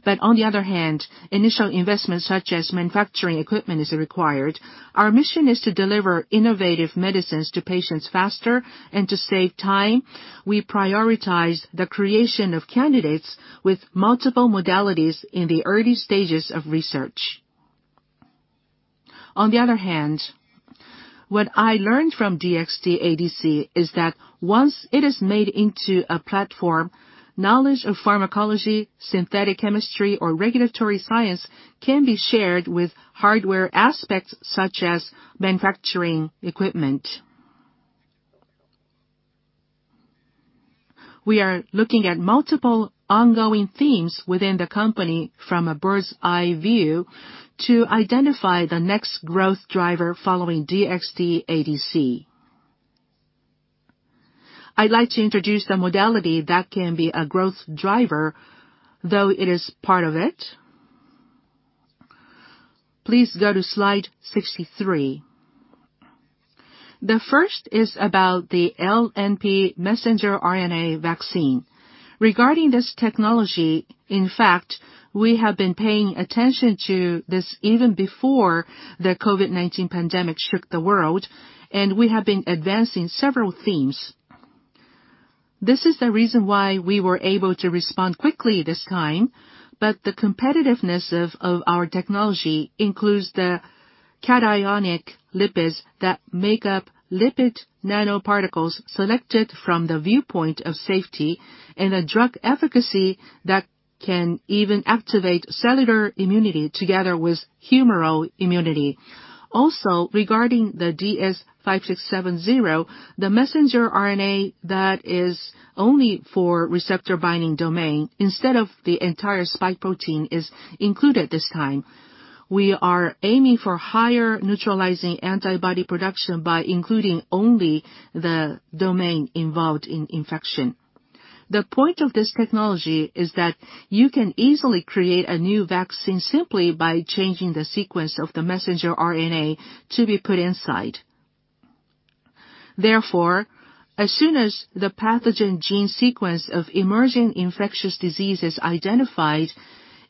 On the other hand, initial investments such as manufacturing equipment is required. Our mission is to deliver innovative medicines to patients faster. To save time, we prioritize the creation of candidates with multiple modalities in the early stages of research. On the other hand, what I learned from DXd-ADC is that once it is made into a platform, knowledge of pharmacology, synthetic chemistry, or regulatory science can be shared with hardware aspects such as manufacturing equipment. We are looking at multiple ongoing themes within the company from a bird's eye view to identify the next growth driver following DXd-ADC. I'd like to introduce the modality that can be a growth driver, though it is part of it. Please go to slide 63. The first is about the LNP messenger RNA vaccine. Regarding this technology, in fact, we have been paying attention to this even before the COVID-19 pandemic struck the world, and we have been advancing several themes. This is the reason why we were able to respond quickly this time. The competitiveness of our technology includes the cationic lipids that make up lipid nanoparticles selected from the viewpoint of safety and a drug efficacy that can even activate cellular immunity together with humoral immunity. Also, regarding the DS-5670, the messenger RNA that is only for receptor binding domain instead of the entire spike protein is included this time. We are aiming for higher neutralizing antibody production by including only the domain involved in infection. The point of this technology is that you can easily create a new vaccine simply by changing the sequence of the messenger RNA to be put inside. Therefore, as soon as the pathogen gene sequence of emerging infectious disease is identified,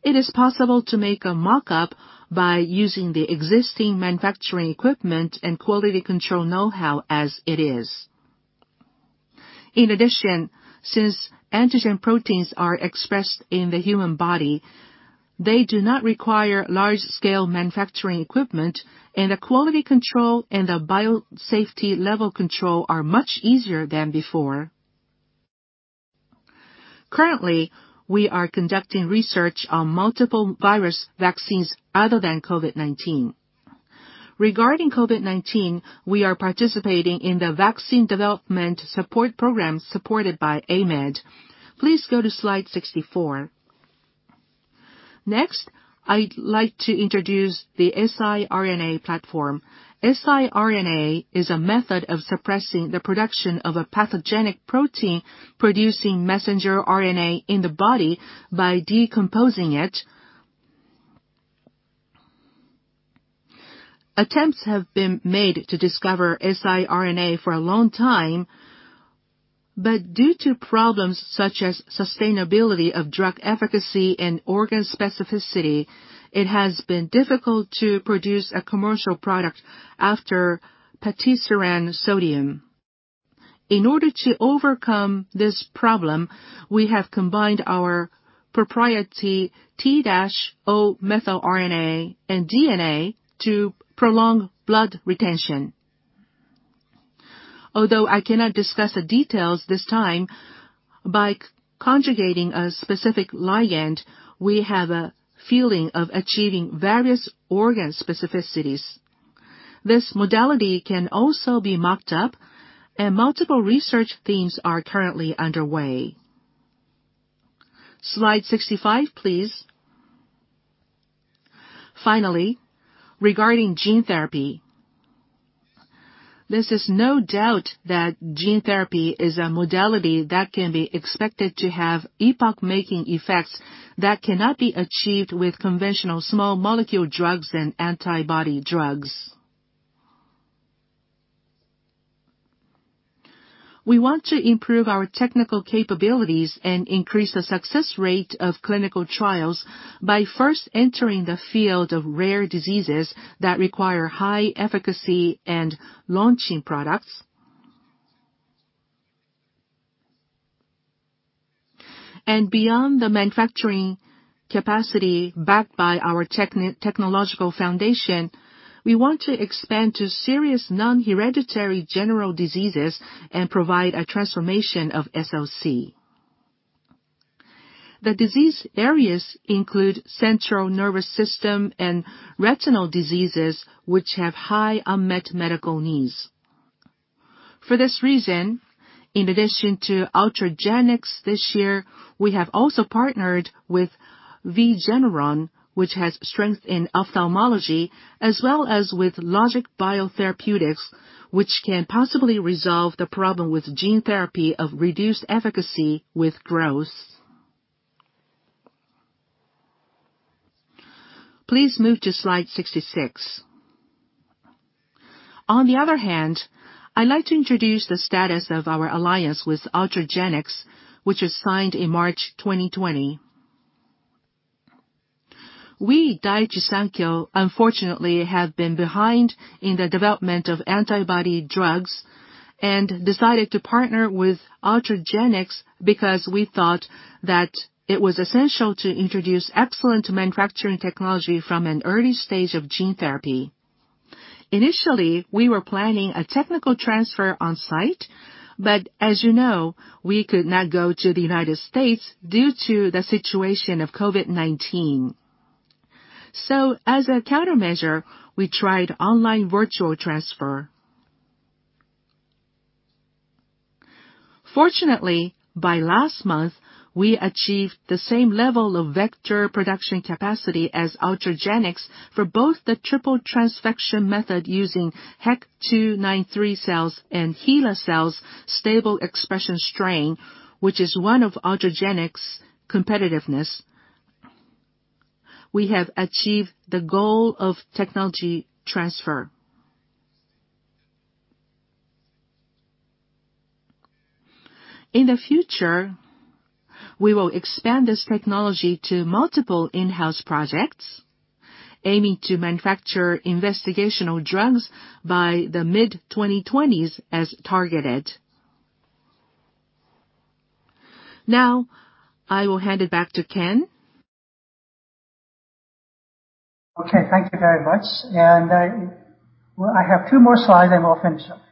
it is possible to make a mock-up by using the existing manufacturing equipment and quality control know-how as it is. In addition, since antigen proteins are expressed in the human body, they do not require large-scale manufacturing equipment, and the quality control and the biosafety level control are much easier than before. Currently, we are conducting research on multiple virus vaccines other than COVID-19. Regarding COVID-19, we are participating in the vaccine development support program supported by AMED. Please go to slide 64. Next, I'd like to introduce the siRNA platform. siRNA is a method of suppressing the production of a pathogenic protein producing messenger RNA in the body by decomposing it. Attempts have been made to discover siRNA for a long time, but due to problems such as sustainability of drug efficacy and organ specificity, it has been difficult to produce a commercial product after patisiran sodium. In order to overcome this problem, we have combined our proprietary 2'-O-methyl RNA and DNA to prolong blood retention. Although I cannot discuss the details this time, by conjugating a specific ligand, we have a feeling of achieving various organ specificities. This modality can also be mocked up, and multiple research themes are currently underway. Slide 65, please. Finally, regarding gene therapy, there is no doubt that gene therapy is a modality that can be expected to have epoch-making effects that cannot be achieved with conventional small molecule drugs and antibody drugs. We want to improve our technical capabilities and increase the success rate of clinical trials by first entering the field of rare diseases that require high efficacy and launching products. Beyond the manufacturing capacity backed by our technological foundation, we want to expand to serious non-hereditary general diseases and provide a transformation of SLC. The disease areas include central nervous system and retinal diseases which have high unmet medical needs. For this reason, in addition to Ultragenyx this year, we have also partnered with ViGeneron, which has strength in ophthalmology as well as with LogicBio Therapeutics, which can possibly resolve the problem with gene therapy of reduced efficacy with growth. Please move to slide 66. On the other hand, I'd like to introduce the status of our alliance with Ultragenyx, which was signed in March 2020. We, Daiichi Sankyo, unfortunately have been behind in the development of antibody drugs and decided to partner with Ultragenyx because we thought that it was essential to introduce excellent manufacturing technology from an early stage of gene therapy. Initially, we were planning a technical transfer on-site, but as you know, we could not go to the United States due to the situation of COVID-19. As a countermeasure, we tried online virtual transfer. Fortunately, by last month we achieved the same level of vector production capacity as Ultragenyx for both the triple transfection method using HEK293 cells and HeLa cells stable expression strain, which is one of Ultragenyx competitiveness. We have achieved the goal of technology transfer. In the future, we will expand this technology to multiple in-house projects aiming to manufacture investigational drugs by the mid-2020s as targeted. Now I will hand it back to Ken.
Okay, thank you very much. I have 2 more slides then we'll finish up.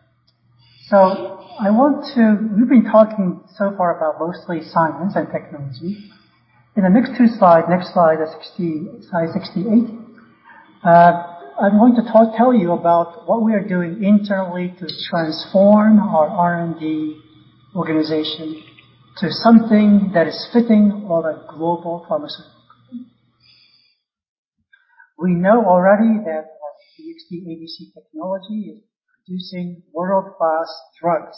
We've been talking so far about mostly science and technology. In the next two slide, next slide is slide 68. I'm going to tell you about what we are doing internally to transform our R&D organization to something that is fitting of a global pharmaceutical company. We know already that our DXd-ADC technology is producing world-class drugs,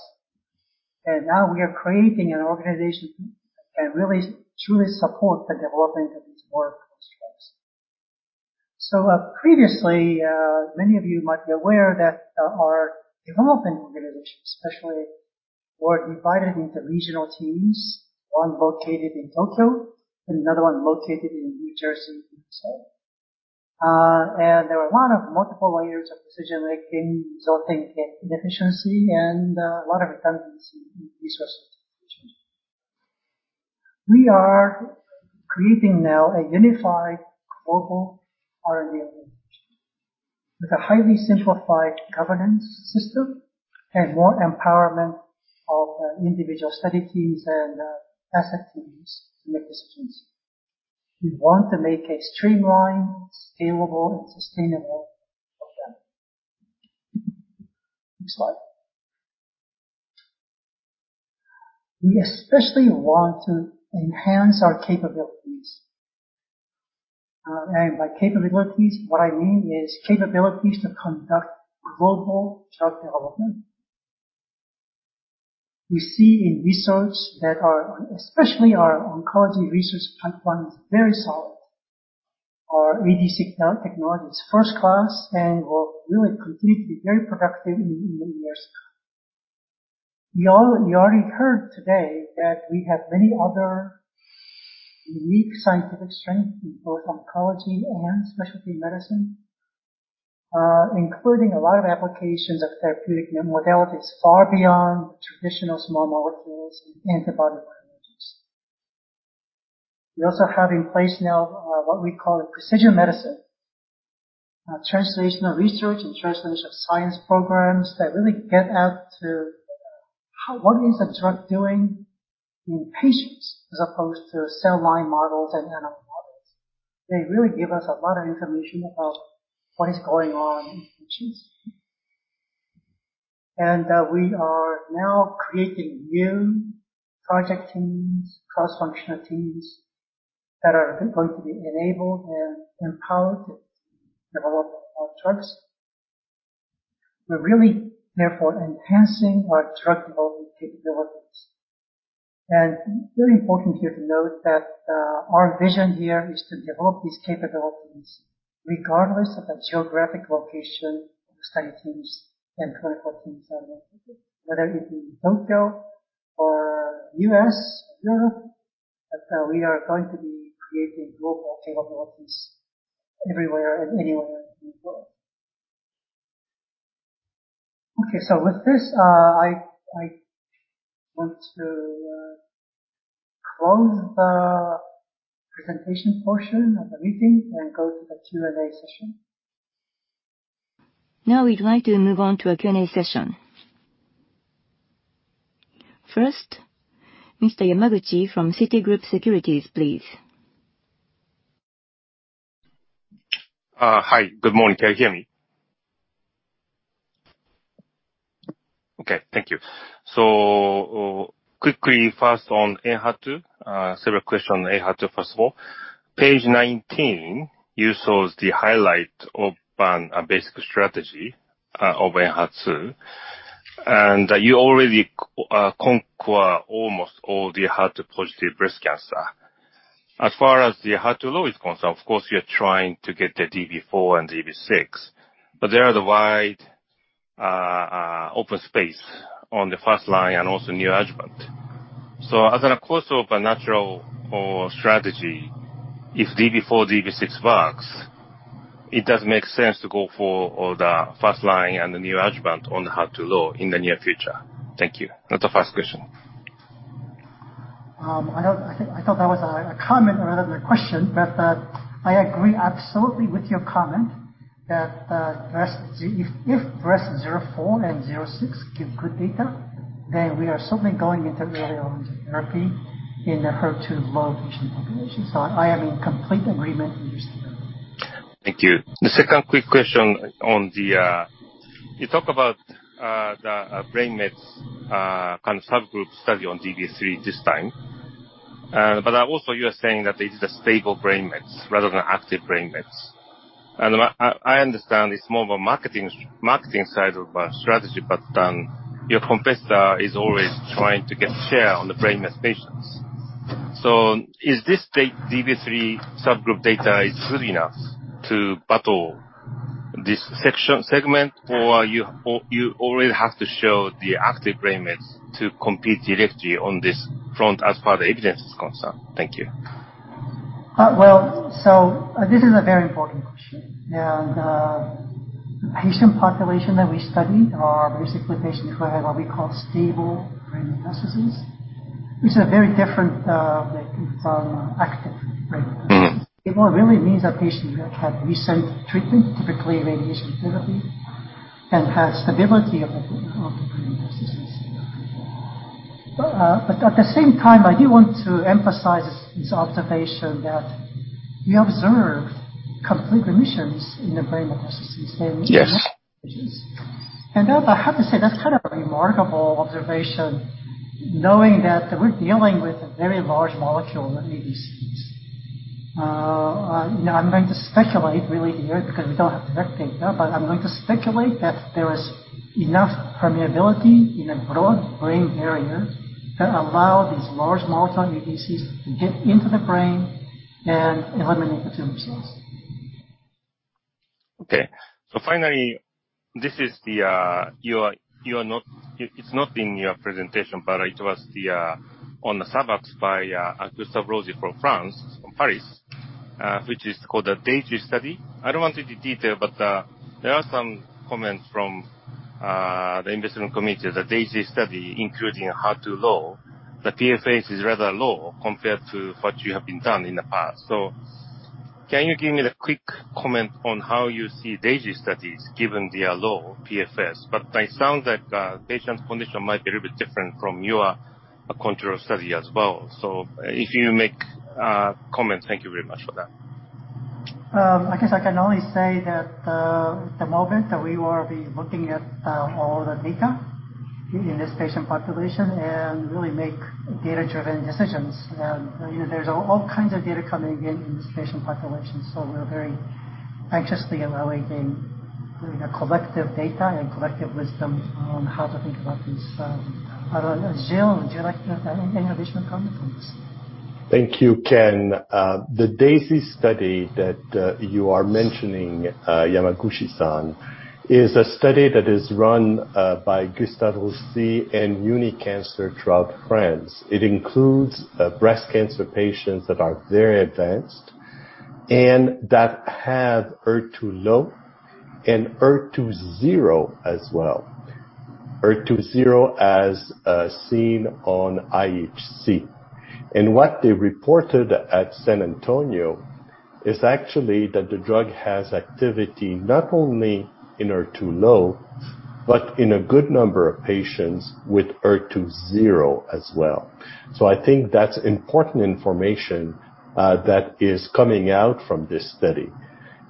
and now we are creating an organization that can really, truly support the development of these world-class drugs. Previously, many of you might be aware that our development organization especially were divided into regional teams. One located in Tokyo and another one located in New Jersey in the States. There were a lot of multiple layers of decision-making resulting in inefficiency and a lot of redundancy in resources and changes. We are creating now a unified global R&D organization with a highly simplified governance system and more empowerment of individual study teams and asset teams to make decisions. We want to make a streamlined, scalable, and sustainable program. Next slide. We especially want to enhance our capabilities. By capabilities, what I mean is capabilities to conduct global drug development. We see in research that our especially our oncology research platform is very solid. Our ADC technology is first class and will really continue to be very productive in the years to come. You already heard today that we have many other unique scientific strength in both oncology and specialty medicine, including a lot of applications of therapeutic modalities far beyond traditional small molecules and antibody conjugates. We also have in place now what we call a precision medicine translational research and translational science programs that really get at to what is a drug doing in patients as opposed to cell line models and animal models. They really give us a lot of information about what is going on in patients. We are now creating new project teams, cross-functional teams that are going to be enabled and empowered to develop our drugs. We're really therefore enhancing our drug development capabilities. Very important here to note that our vision here is to develop these capabilities regardless of the geographic location of the study teams and clinical teams are located. Whether it be Tokyo or U.S. or Europe, we are going to be creating global capabilities everywhere and anywhere in the world. Okay, so with this, I want to close the presentation portion of the meeting and go to the Q&A session.
Now we'd like to move on to a Q&A session. First, Mr. Yamaguchi from Citigroup Securities, please.
Hi. Good morning. Can you hear me? Okay, thank you. Quickly first on ENHERTU, several questions on ENHERTU first of all. Page 19, you show the highlight of a basic strategy of ENHERTU. You already cover almost all the HER2-positive breast cancer. As far as the HER2-low is concerned, of course, we are trying to get the DB-04 and DB-06, but there are the wide open space on the first line and also neoadjuvant. As a, of course, open and natural strategy, if DB-04, DB-06 works, it does make sense to go for all the first line and the neoadjuvant on HER2-low in the near future. Thank you. That's the first question.
I thought that was a comment rather than a question. I agree absolutely with your comment that if DESTINY-Breast04 and DESTINY-Breast06 give good data, then we are certainly going into early therapy in the HER2-low patient population. I am in complete agreement with you.
Thank you. The second quick question on the. You talk about the brain mets kind of subgroup study on DB three this time. But also you are saying that it is a stable brain mets rather than active brain mets. I understand it's more of a marketing side of our strategy, but your competitor is always trying to get share on the brain mets patients. So is this state DB three subgroup data good enough to battle this segment or you already have to show the active brain mets to compete directly on this front as far as evidence is concerned? Thank you.
Well, this is a very important question, and the patient population that we studied are basically patients who had what we call stable brain metastases, which are very different, like from active brain metastases.
Mm-hmm.
It really means that patients have had recent treatment, typically radiation therapy, and have stability of the brain metastases. At the same time, I do want to emphasize this observation that we observe complete remissions in the brain metastases.
Yes.
in many patients. That, I have to say, that's kind of a remarkable observation knowing that we're dealing with a very large molecule ADCs. Now I'm going to speculate really here because we don't have direct data, but I'm going to speculate that there is enough permeability in a broad brain area that allow these large molecule ADCs to get into the brain and eliminate the tumor cells.
Okay. Finally, it's not in your presentation, but it was the on the sub-analysis by Gustave Roussy from France, from Paris, which is called the DAISY trial. I don't want to detail, but there are some comments from the investment committee that DAISY trial, including HER2-low, the PFS is rather low compared to what you have been done in the past. Can you give me the quick comment on how you see DAISY studies given their low PFS? It sounds like patient condition might be a little bit different from your control study as well. If you make a comment, thank you very much for that.
I guess I can only say that at the moment that we will be looking at all the data in this patient population and really make data-driven decisions. You know, there's all kinds of data coming in in this patient population, so we're very anxiously awaiting collective data and collective wisdom on how to think about this. I don't know. Gilles, would you like to add any additional comments?
Thank you, Ken. The DAISY trial that you are mentioning, Yamaguchi-san, is a study that is run by Gustave Roussy and Unicancer trial France. It includes breast cancer patients that are very advanced and that have HER2-low and HER2-zero as well. HER2-zero as seen on IHC. What they reported at San Antonio is actually that the drug has activity not only in HER2-low, but in a good number of patients with HER2-zero as well. I think that's important information that is coming out from this study.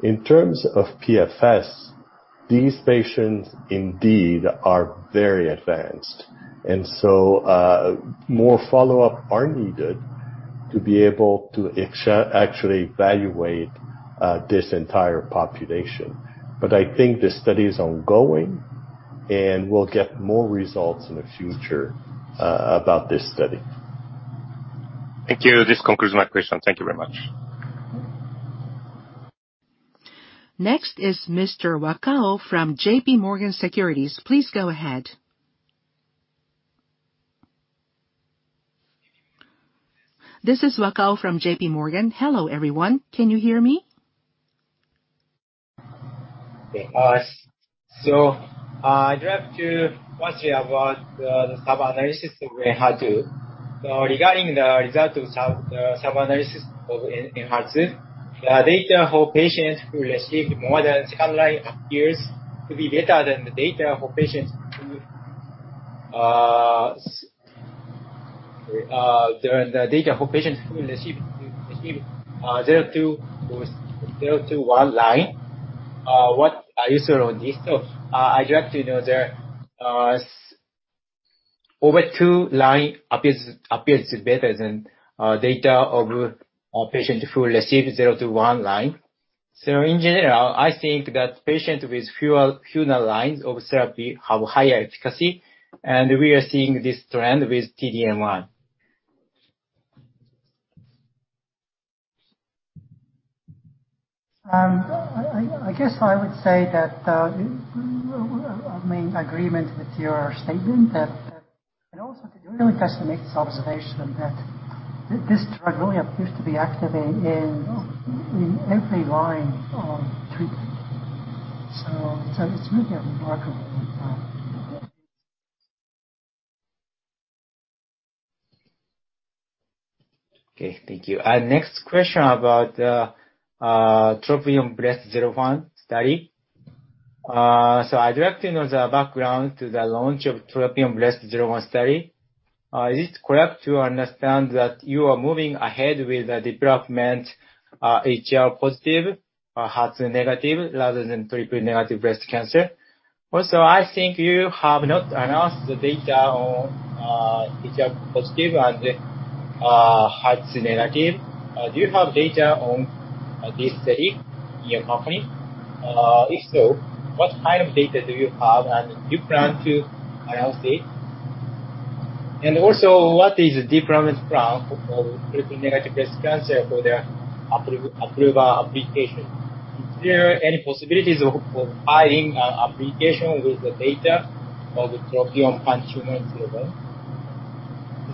In terms of PFS, these patients indeed are very advanced. More follow-up are needed to be able to actually evaluate this entire population. I think the study is ongoing, and we'll get more results in the future about this study.
Thank you. This concludes my question. Thank you very much.
Next is Mr. Wakao from JPMorgan Securities. Please go ahead.
This is Wakao from JP Morgan. Hello, everyone. Can you hear me? Okay. I'd like to ask you about the sub-analysis of ENHERTU. Regarding the result of the sub-analysis of ENHERTU, the data for patients who received more than second line appears to be better than the data for patients who received zero to one line. What are your thoughts on this? I'd like to know over two line appears better than data of a patient who received zero to one line. In general, I think that patients with fewer lines of therapy have higher efficacy, and we are seeing this trend with T-DM1.
I guess I would say that, well, I mean, agreement with your statement that and also really fascinating this observation that this drug really appears to be active in every line of treatment. It's really a remarkable development.
Okay, thank you. Next question about TROPION-Breast01 study. I'd like to know the background to the launch of TROPION-Breast01 study. Is it correct to understand that you are moving ahead with the development, HR-positive or HER2-negative rather than triple-negative breast cancer? Also, I think you have not announced the data on HR-positive and HER2-negative. Do you have data on this study in your company? If so, what kind of data you have, and do you plan to announce it? Also, what is the development plan for triple-negative breast cancer for the approval application? Is there any possibility of filing an application with the data of the TROPION-PanTumor01?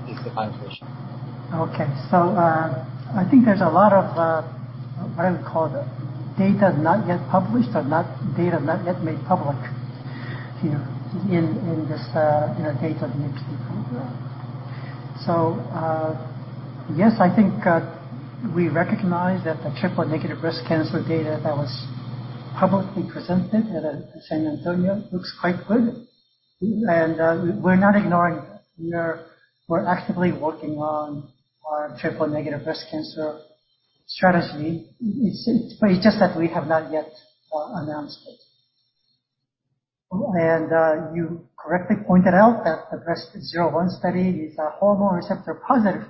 This is the last question.
Okay. I think there's a lot of what I would call the data not yet published or made public here in this Dato-DXd program. Yes, I think we recognize that the triple-negative breast cancer data that was publicly presented at San Antonio looks quite good. We're not ignoring that. We're actively working on our triple-negative breast cancer strategy. It's just that we have not yet announced it. You correctly pointed out that the TROPION-Breast01 study is a hormone receptor positive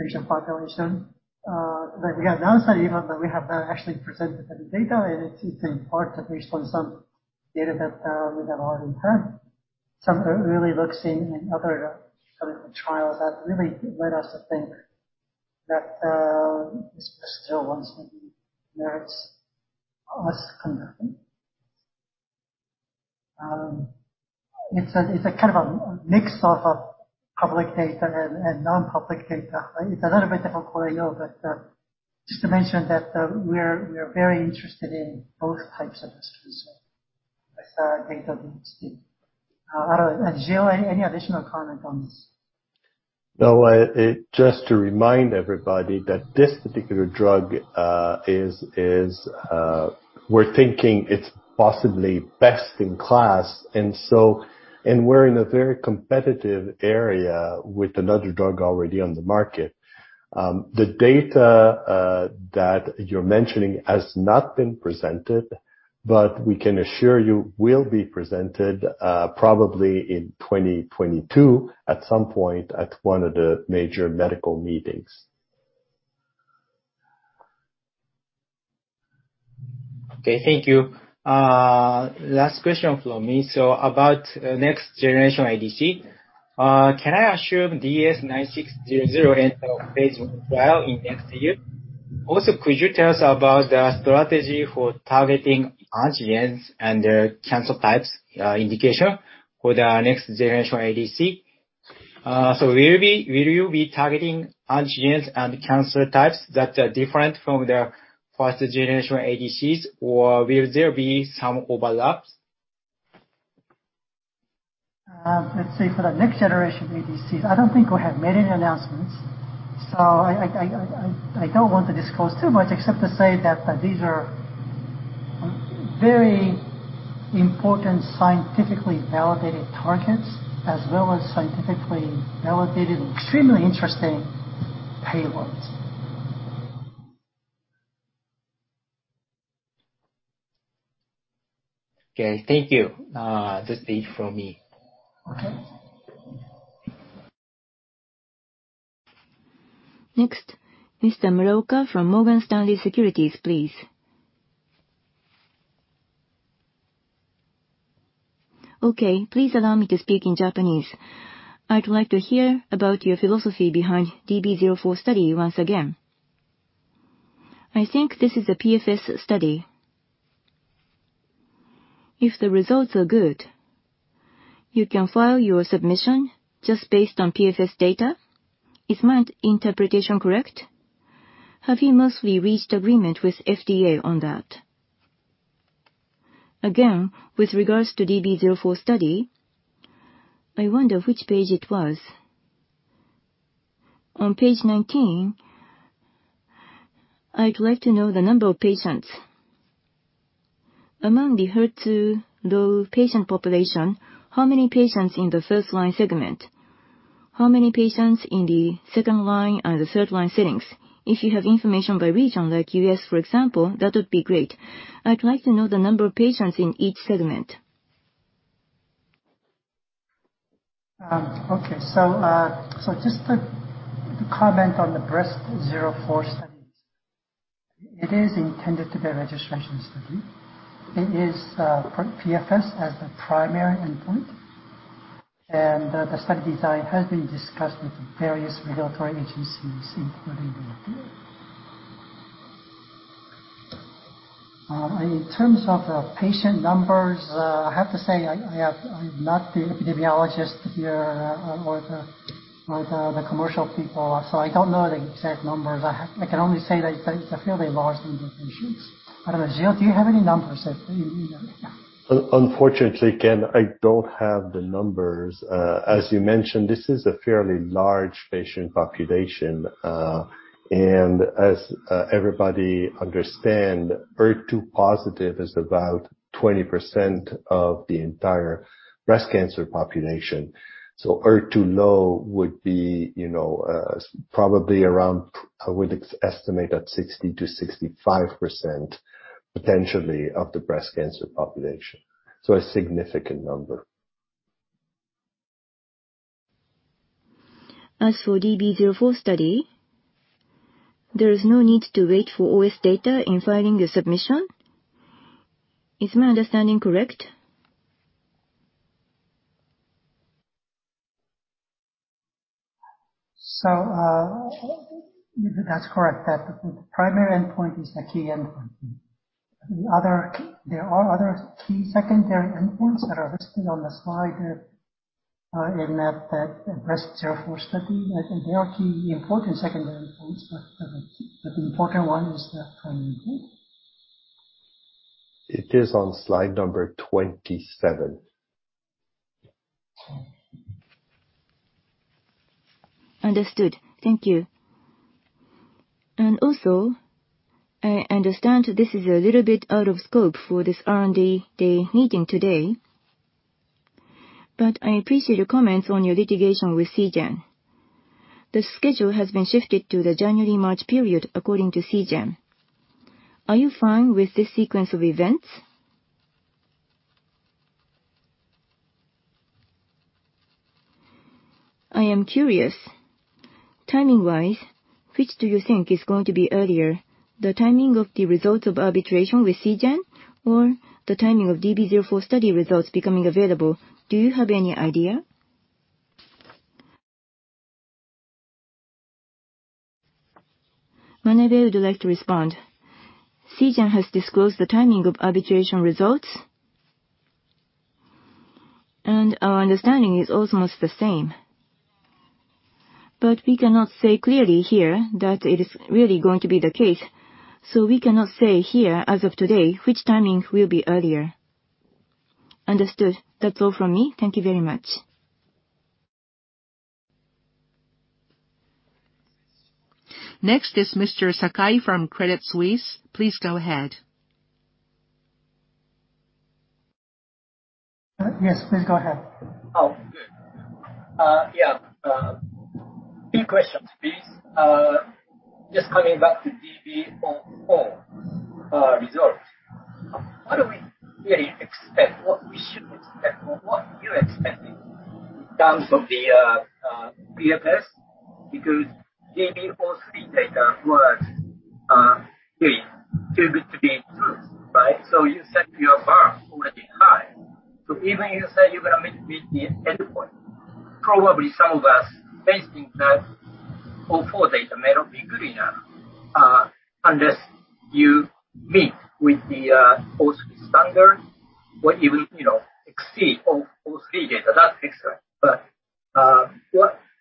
patient population, but we have announced that even though we have not actually presented any data, and it's in part at least on some data that we have already heard. Some early looks seen in other clinical trials that really led us to think that this Breast 01 study merits us conducting. It's a kind of a mix of public data and non-public data. It's a little bit difficult for you, but just to mention that, we're very interested in both types of studies with Dato-DXd. Gil, any additional comment on this?
No. Just to remind everybody that this particular drug, we're thinking it's possibly best in class. We're in a very competitive area with another drug already on the market. The data that you're mentioning has not been presented, but we can assure you it will be presented probably in 2022 at some point at one of the major medical meetings.
Okay. Thank you. Last question from me. About next generation ADC, can I assume DS-9606 enter phase III in next year? Also, could you tell us about the strategy for targeting antigens and their cancer types, indication for the next generation ADC? Will you be targeting antigens and cancer types that are different from the first generation ADCs, or will there be some overlaps?
Let's see. For the next generation ADCs, I don't think we have made any announcements, so I don't want to disclose too much except to say that these are very important scientifically validated targets as well as scientifically validated extremely interesting payloads.
Okay. Thank you. That's it from me.
Okay. Next, Mr. Muraoka from Morgan Stanley Securities, please. Okay. Please allow me to speak in Japanese. I'd like to hear about your philosophy behind DESTINY-Breast04 study once again. I think this is a PFS study. If the results are good, you can file your submission just based on PFS data. Is my interpretation correct? Have you mostly reached agreement with FDA on that? Again, with regards to DESTINY-Breast04 study, I wonder which page it was. On page 19, I'd like to know the number of patients. Among the HER2-low patient population, how many patients in the first-line segment? How many patients in the second-line and the third-line settings? If you have information by region, like U.S., for example, that would be great. I'd like to know the number of patients in each segment.
Okay. Just to comment on the DESTINY-Breast04 studies. It is intended to be a registration study. It is for PFS as the primary endpoint. The study design has been discussed with various regulatory agencies, including the FDA. In terms of patient numbers, I have to say, I'm not the epidemiologist here or the commercial people. So I don't know the exact numbers. I can only say that it's a fairly large number of patients. I don't know. Gilles, do you have any numbers that you know?
Unfortunately, Ken, I don't have the numbers. As you mentioned, this is a fairly large patient population. Everybody understands, HER2-positive is about 20% of the entire breast cancer population. HER2-low would be probably around, I would estimate at 60%-65% potentially of the breast cancer population. A significant number.
As for DESTINY-Breast04 study, there is no need to wait for OS data in filing the submission. Is my understanding correct?
I think that's correct that the primary endpoint is the key endpoint. The other key secondary endpoints that are listed on the slide in that DESTINY-Breast04 study are key important secondary endpoints. The important one is the primary endpoint.
It is on slide number 27.
Understood. Thank you. I understand this is a little bit out of scope for this R&D Day meeting today, but I appreciate your comments on your litigation with Seagen. The schedule has been shifted to the January-March period according to Seagen. Are you fine with this sequence of events? I am curious, timing-wise, which do you think is going to be earlier, the timing of the results of arbitration with Seagen or the timing of DB-04 study results becoming available? Do you have any idea? Manabe-san, would you like to respond. Seagen has disclosed the timing of arbitration results. Our understanding is almost the same. We cannot say clearly here that it is really going to be the case. We cannot say here as of today which timing will be earlier. Understood. That's all from me. Thank you very much.
Next is Mr. Sakai from Credit Suisse. Please go ahead.
Yes, please go ahead.
Oh, good. Yeah. Two questions, please. Just coming back to DB-04 results. What do we really expect? What we should expect or what you're expecting in terms of the PFS? Because DB-03 data was really too good to be true, right? You set your bar already high. Even you say you're gonna meet with the endpoint, probably some of us facing that DB-04 data may not be good enough unless you meet with the DB-03 standard or even exceed all three data. That's excellent.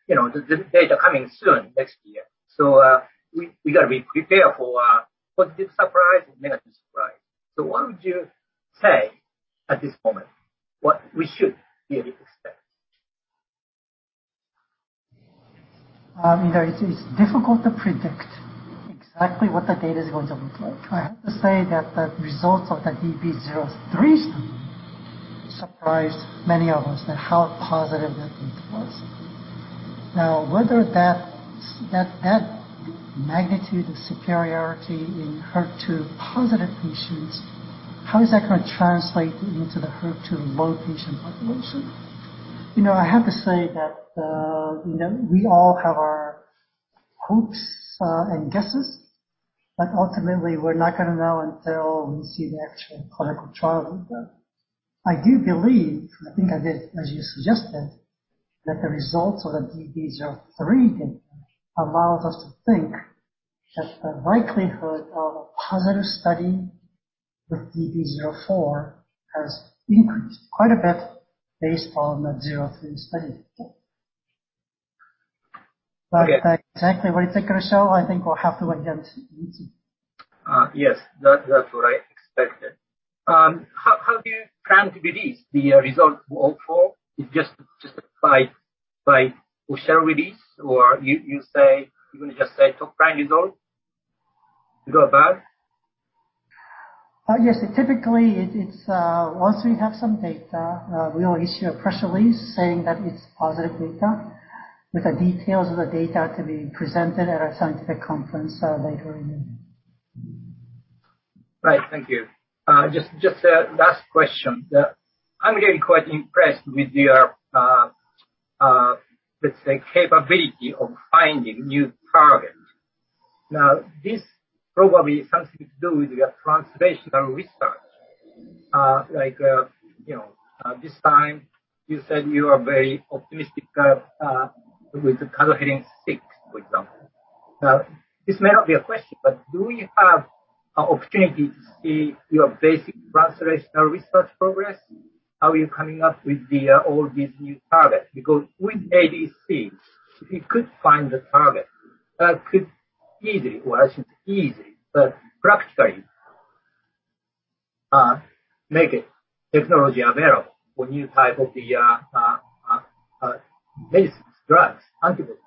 You know, the data coming soon next year. We gotta be prepared for positive surprise and negative surprise. What would you say at this moment, what we should really expect?
You know, it's difficult to predict exactly what the data is going to look like. I have to say that the results of the DESTINY-Breast03 study surprised many of us at how positive that data was. Now, whether that magnitude of superiority in HER2-positive patients, how is that gonna translate into the HER2-low patient population? You know, I have to say that we all have our hopes and guesses, but ultimately we're not gonna know until we see the actual clinical trial data. I do believe, I think I did, as you suggested, that the results of the DESTINY-Breast03 data allows us to think that the likelihood of a positive study with DESTINY-Breast04 has increased quite a bit based on the 03 study.
Okay.
Exactly what you think it'll show, I think we'll have to wait and see.
Yes. That's what I expected. How do you plan to release the result for all four? It's just by official release or you say you're gonna just say top line result? Good or bad?
Yes. Typically, once we have some data, we will issue a press release saying that it's positive data with the details of the data to be presented at our scientific conference later in the year.
Right. Thank you. Just a last question. I'm getting quite impressed with your, let's say, capability of finding new targets. Now, this probably has something to do with your translational research. like this time you said you are very optimistic with the cadherin-6, for example. This may not be a question, but do we have an opportunity to see your basic translational research progress? How are you coming up with all these new targets? Because with ADCs, we could find the target. Could easily, well, I shouldn't say easily, but practically, make the technology available for new type of the basics, drugs, antibiotics.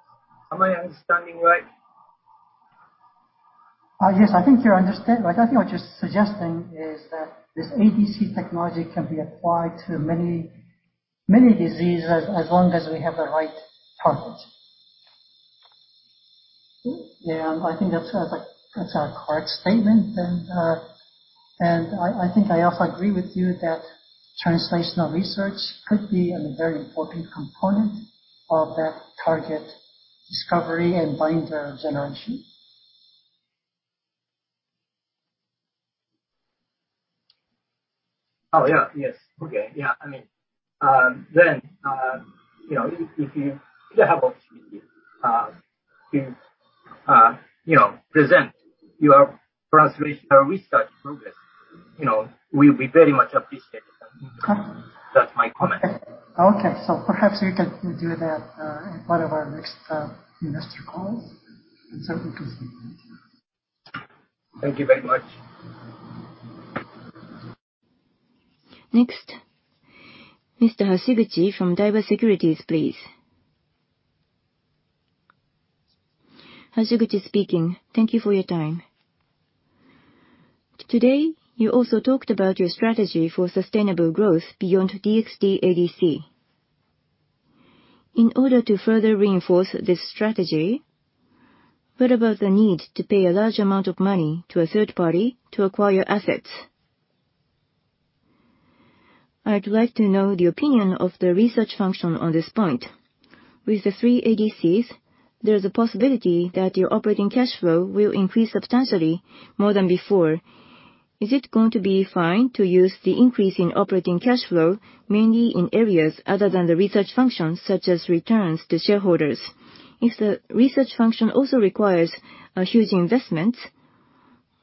Am I understanding right?
Yes. I think you understand. Like, I think what you're suggesting is that this ADC technology can be applied to many, many diseases as long as we have the right targets. Yeah, I think that's a correct statement. I think I also agree with you that translational research could be a very important component of that target discovery and binder generation.
Oh, yeah. Yes. Okay. Yeah. I mean, then if you have opportunity to you know, present your translational research progress we'll be very much appreciative.
Of course.
That's my comment.
Okay. Perhaps we can do that in one of our next investor calls, and so we can see.
Thank you very much.
Next, Mr. Hashiguchi from Daiwa Securities, please. Hashiguchi speaking.
Thank you for your time. Today, you also talked about your strategy for sustainable growth beyond DXd-ADC. In order to further reinforce this strategy, what about the need to pay a large amount of money to a third party to acquire assets? I'd like to know the opinion of the research function on this point. With the three ADCs, there's a possibility that your operating cash flow will increase substantially more than before. Is it going to be fine to use the increase in operating cash flow mainly in areas other than the research functions, such as returns to shareholders? If the research function also requires huge investments,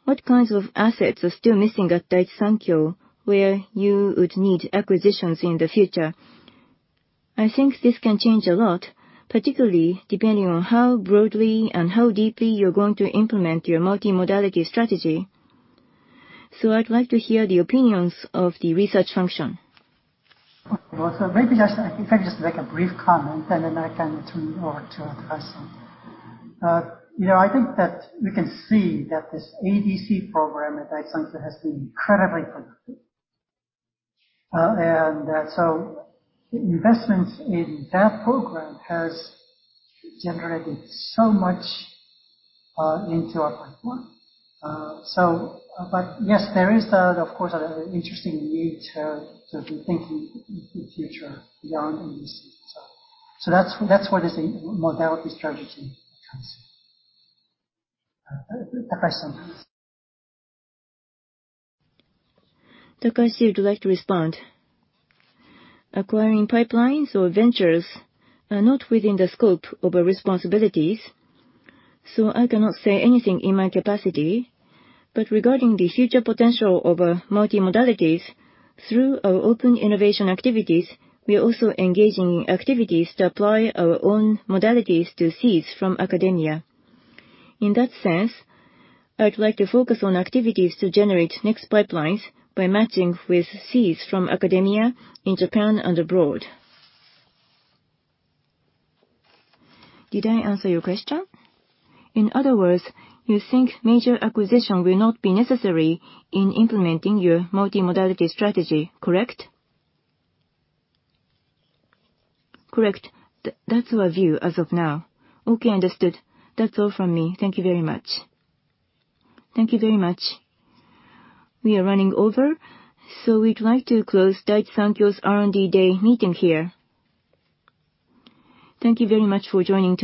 what kinds of assets are still missing at Daiichi Sankyo where you would need acquisitions in the future?
I think this can change a lot, particularly depending on how broadly and how deeply you're going to implement your multimodality strategy. I'd like to hear the opinions of the research function.
Well, maybe just if I could make a brief comment, and then I can turn it over to Takahashi. You know, I think that we can see that this ADC program at Daiichi Sankyo has been incredibly productive. Investments in that program has generated so much into our platform. But yes, there is, of course, an interesting need to be thinking in the future beyond ADC. That's where this modality strategy comes in. Takahashi.
Takahashi would like to respond. Acquiring pipelines or ventures are not within the scope of our responsibilities, so I cannot say anything in my capacity. Regarding the future potential of multimodalities, through our open innovation activities, we are also engaging in activities to apply our own modalities to seeds from academia. In that sense, I'd like to focus on activities to generate next pipelines by matching with seeds from academia in Japan and abroad. Did I answer your question? In other words, you think major acquisition will not be necessary in implementing your multimodality strategy, correct? Correct. That's our view as of now. Okay.
Understood. That's all from me. Thank you very much.
Thank you very much. We are running over, so we'd like to close Daiichi Sankyo's R&D Day meeting here. Thank you very much for joining today.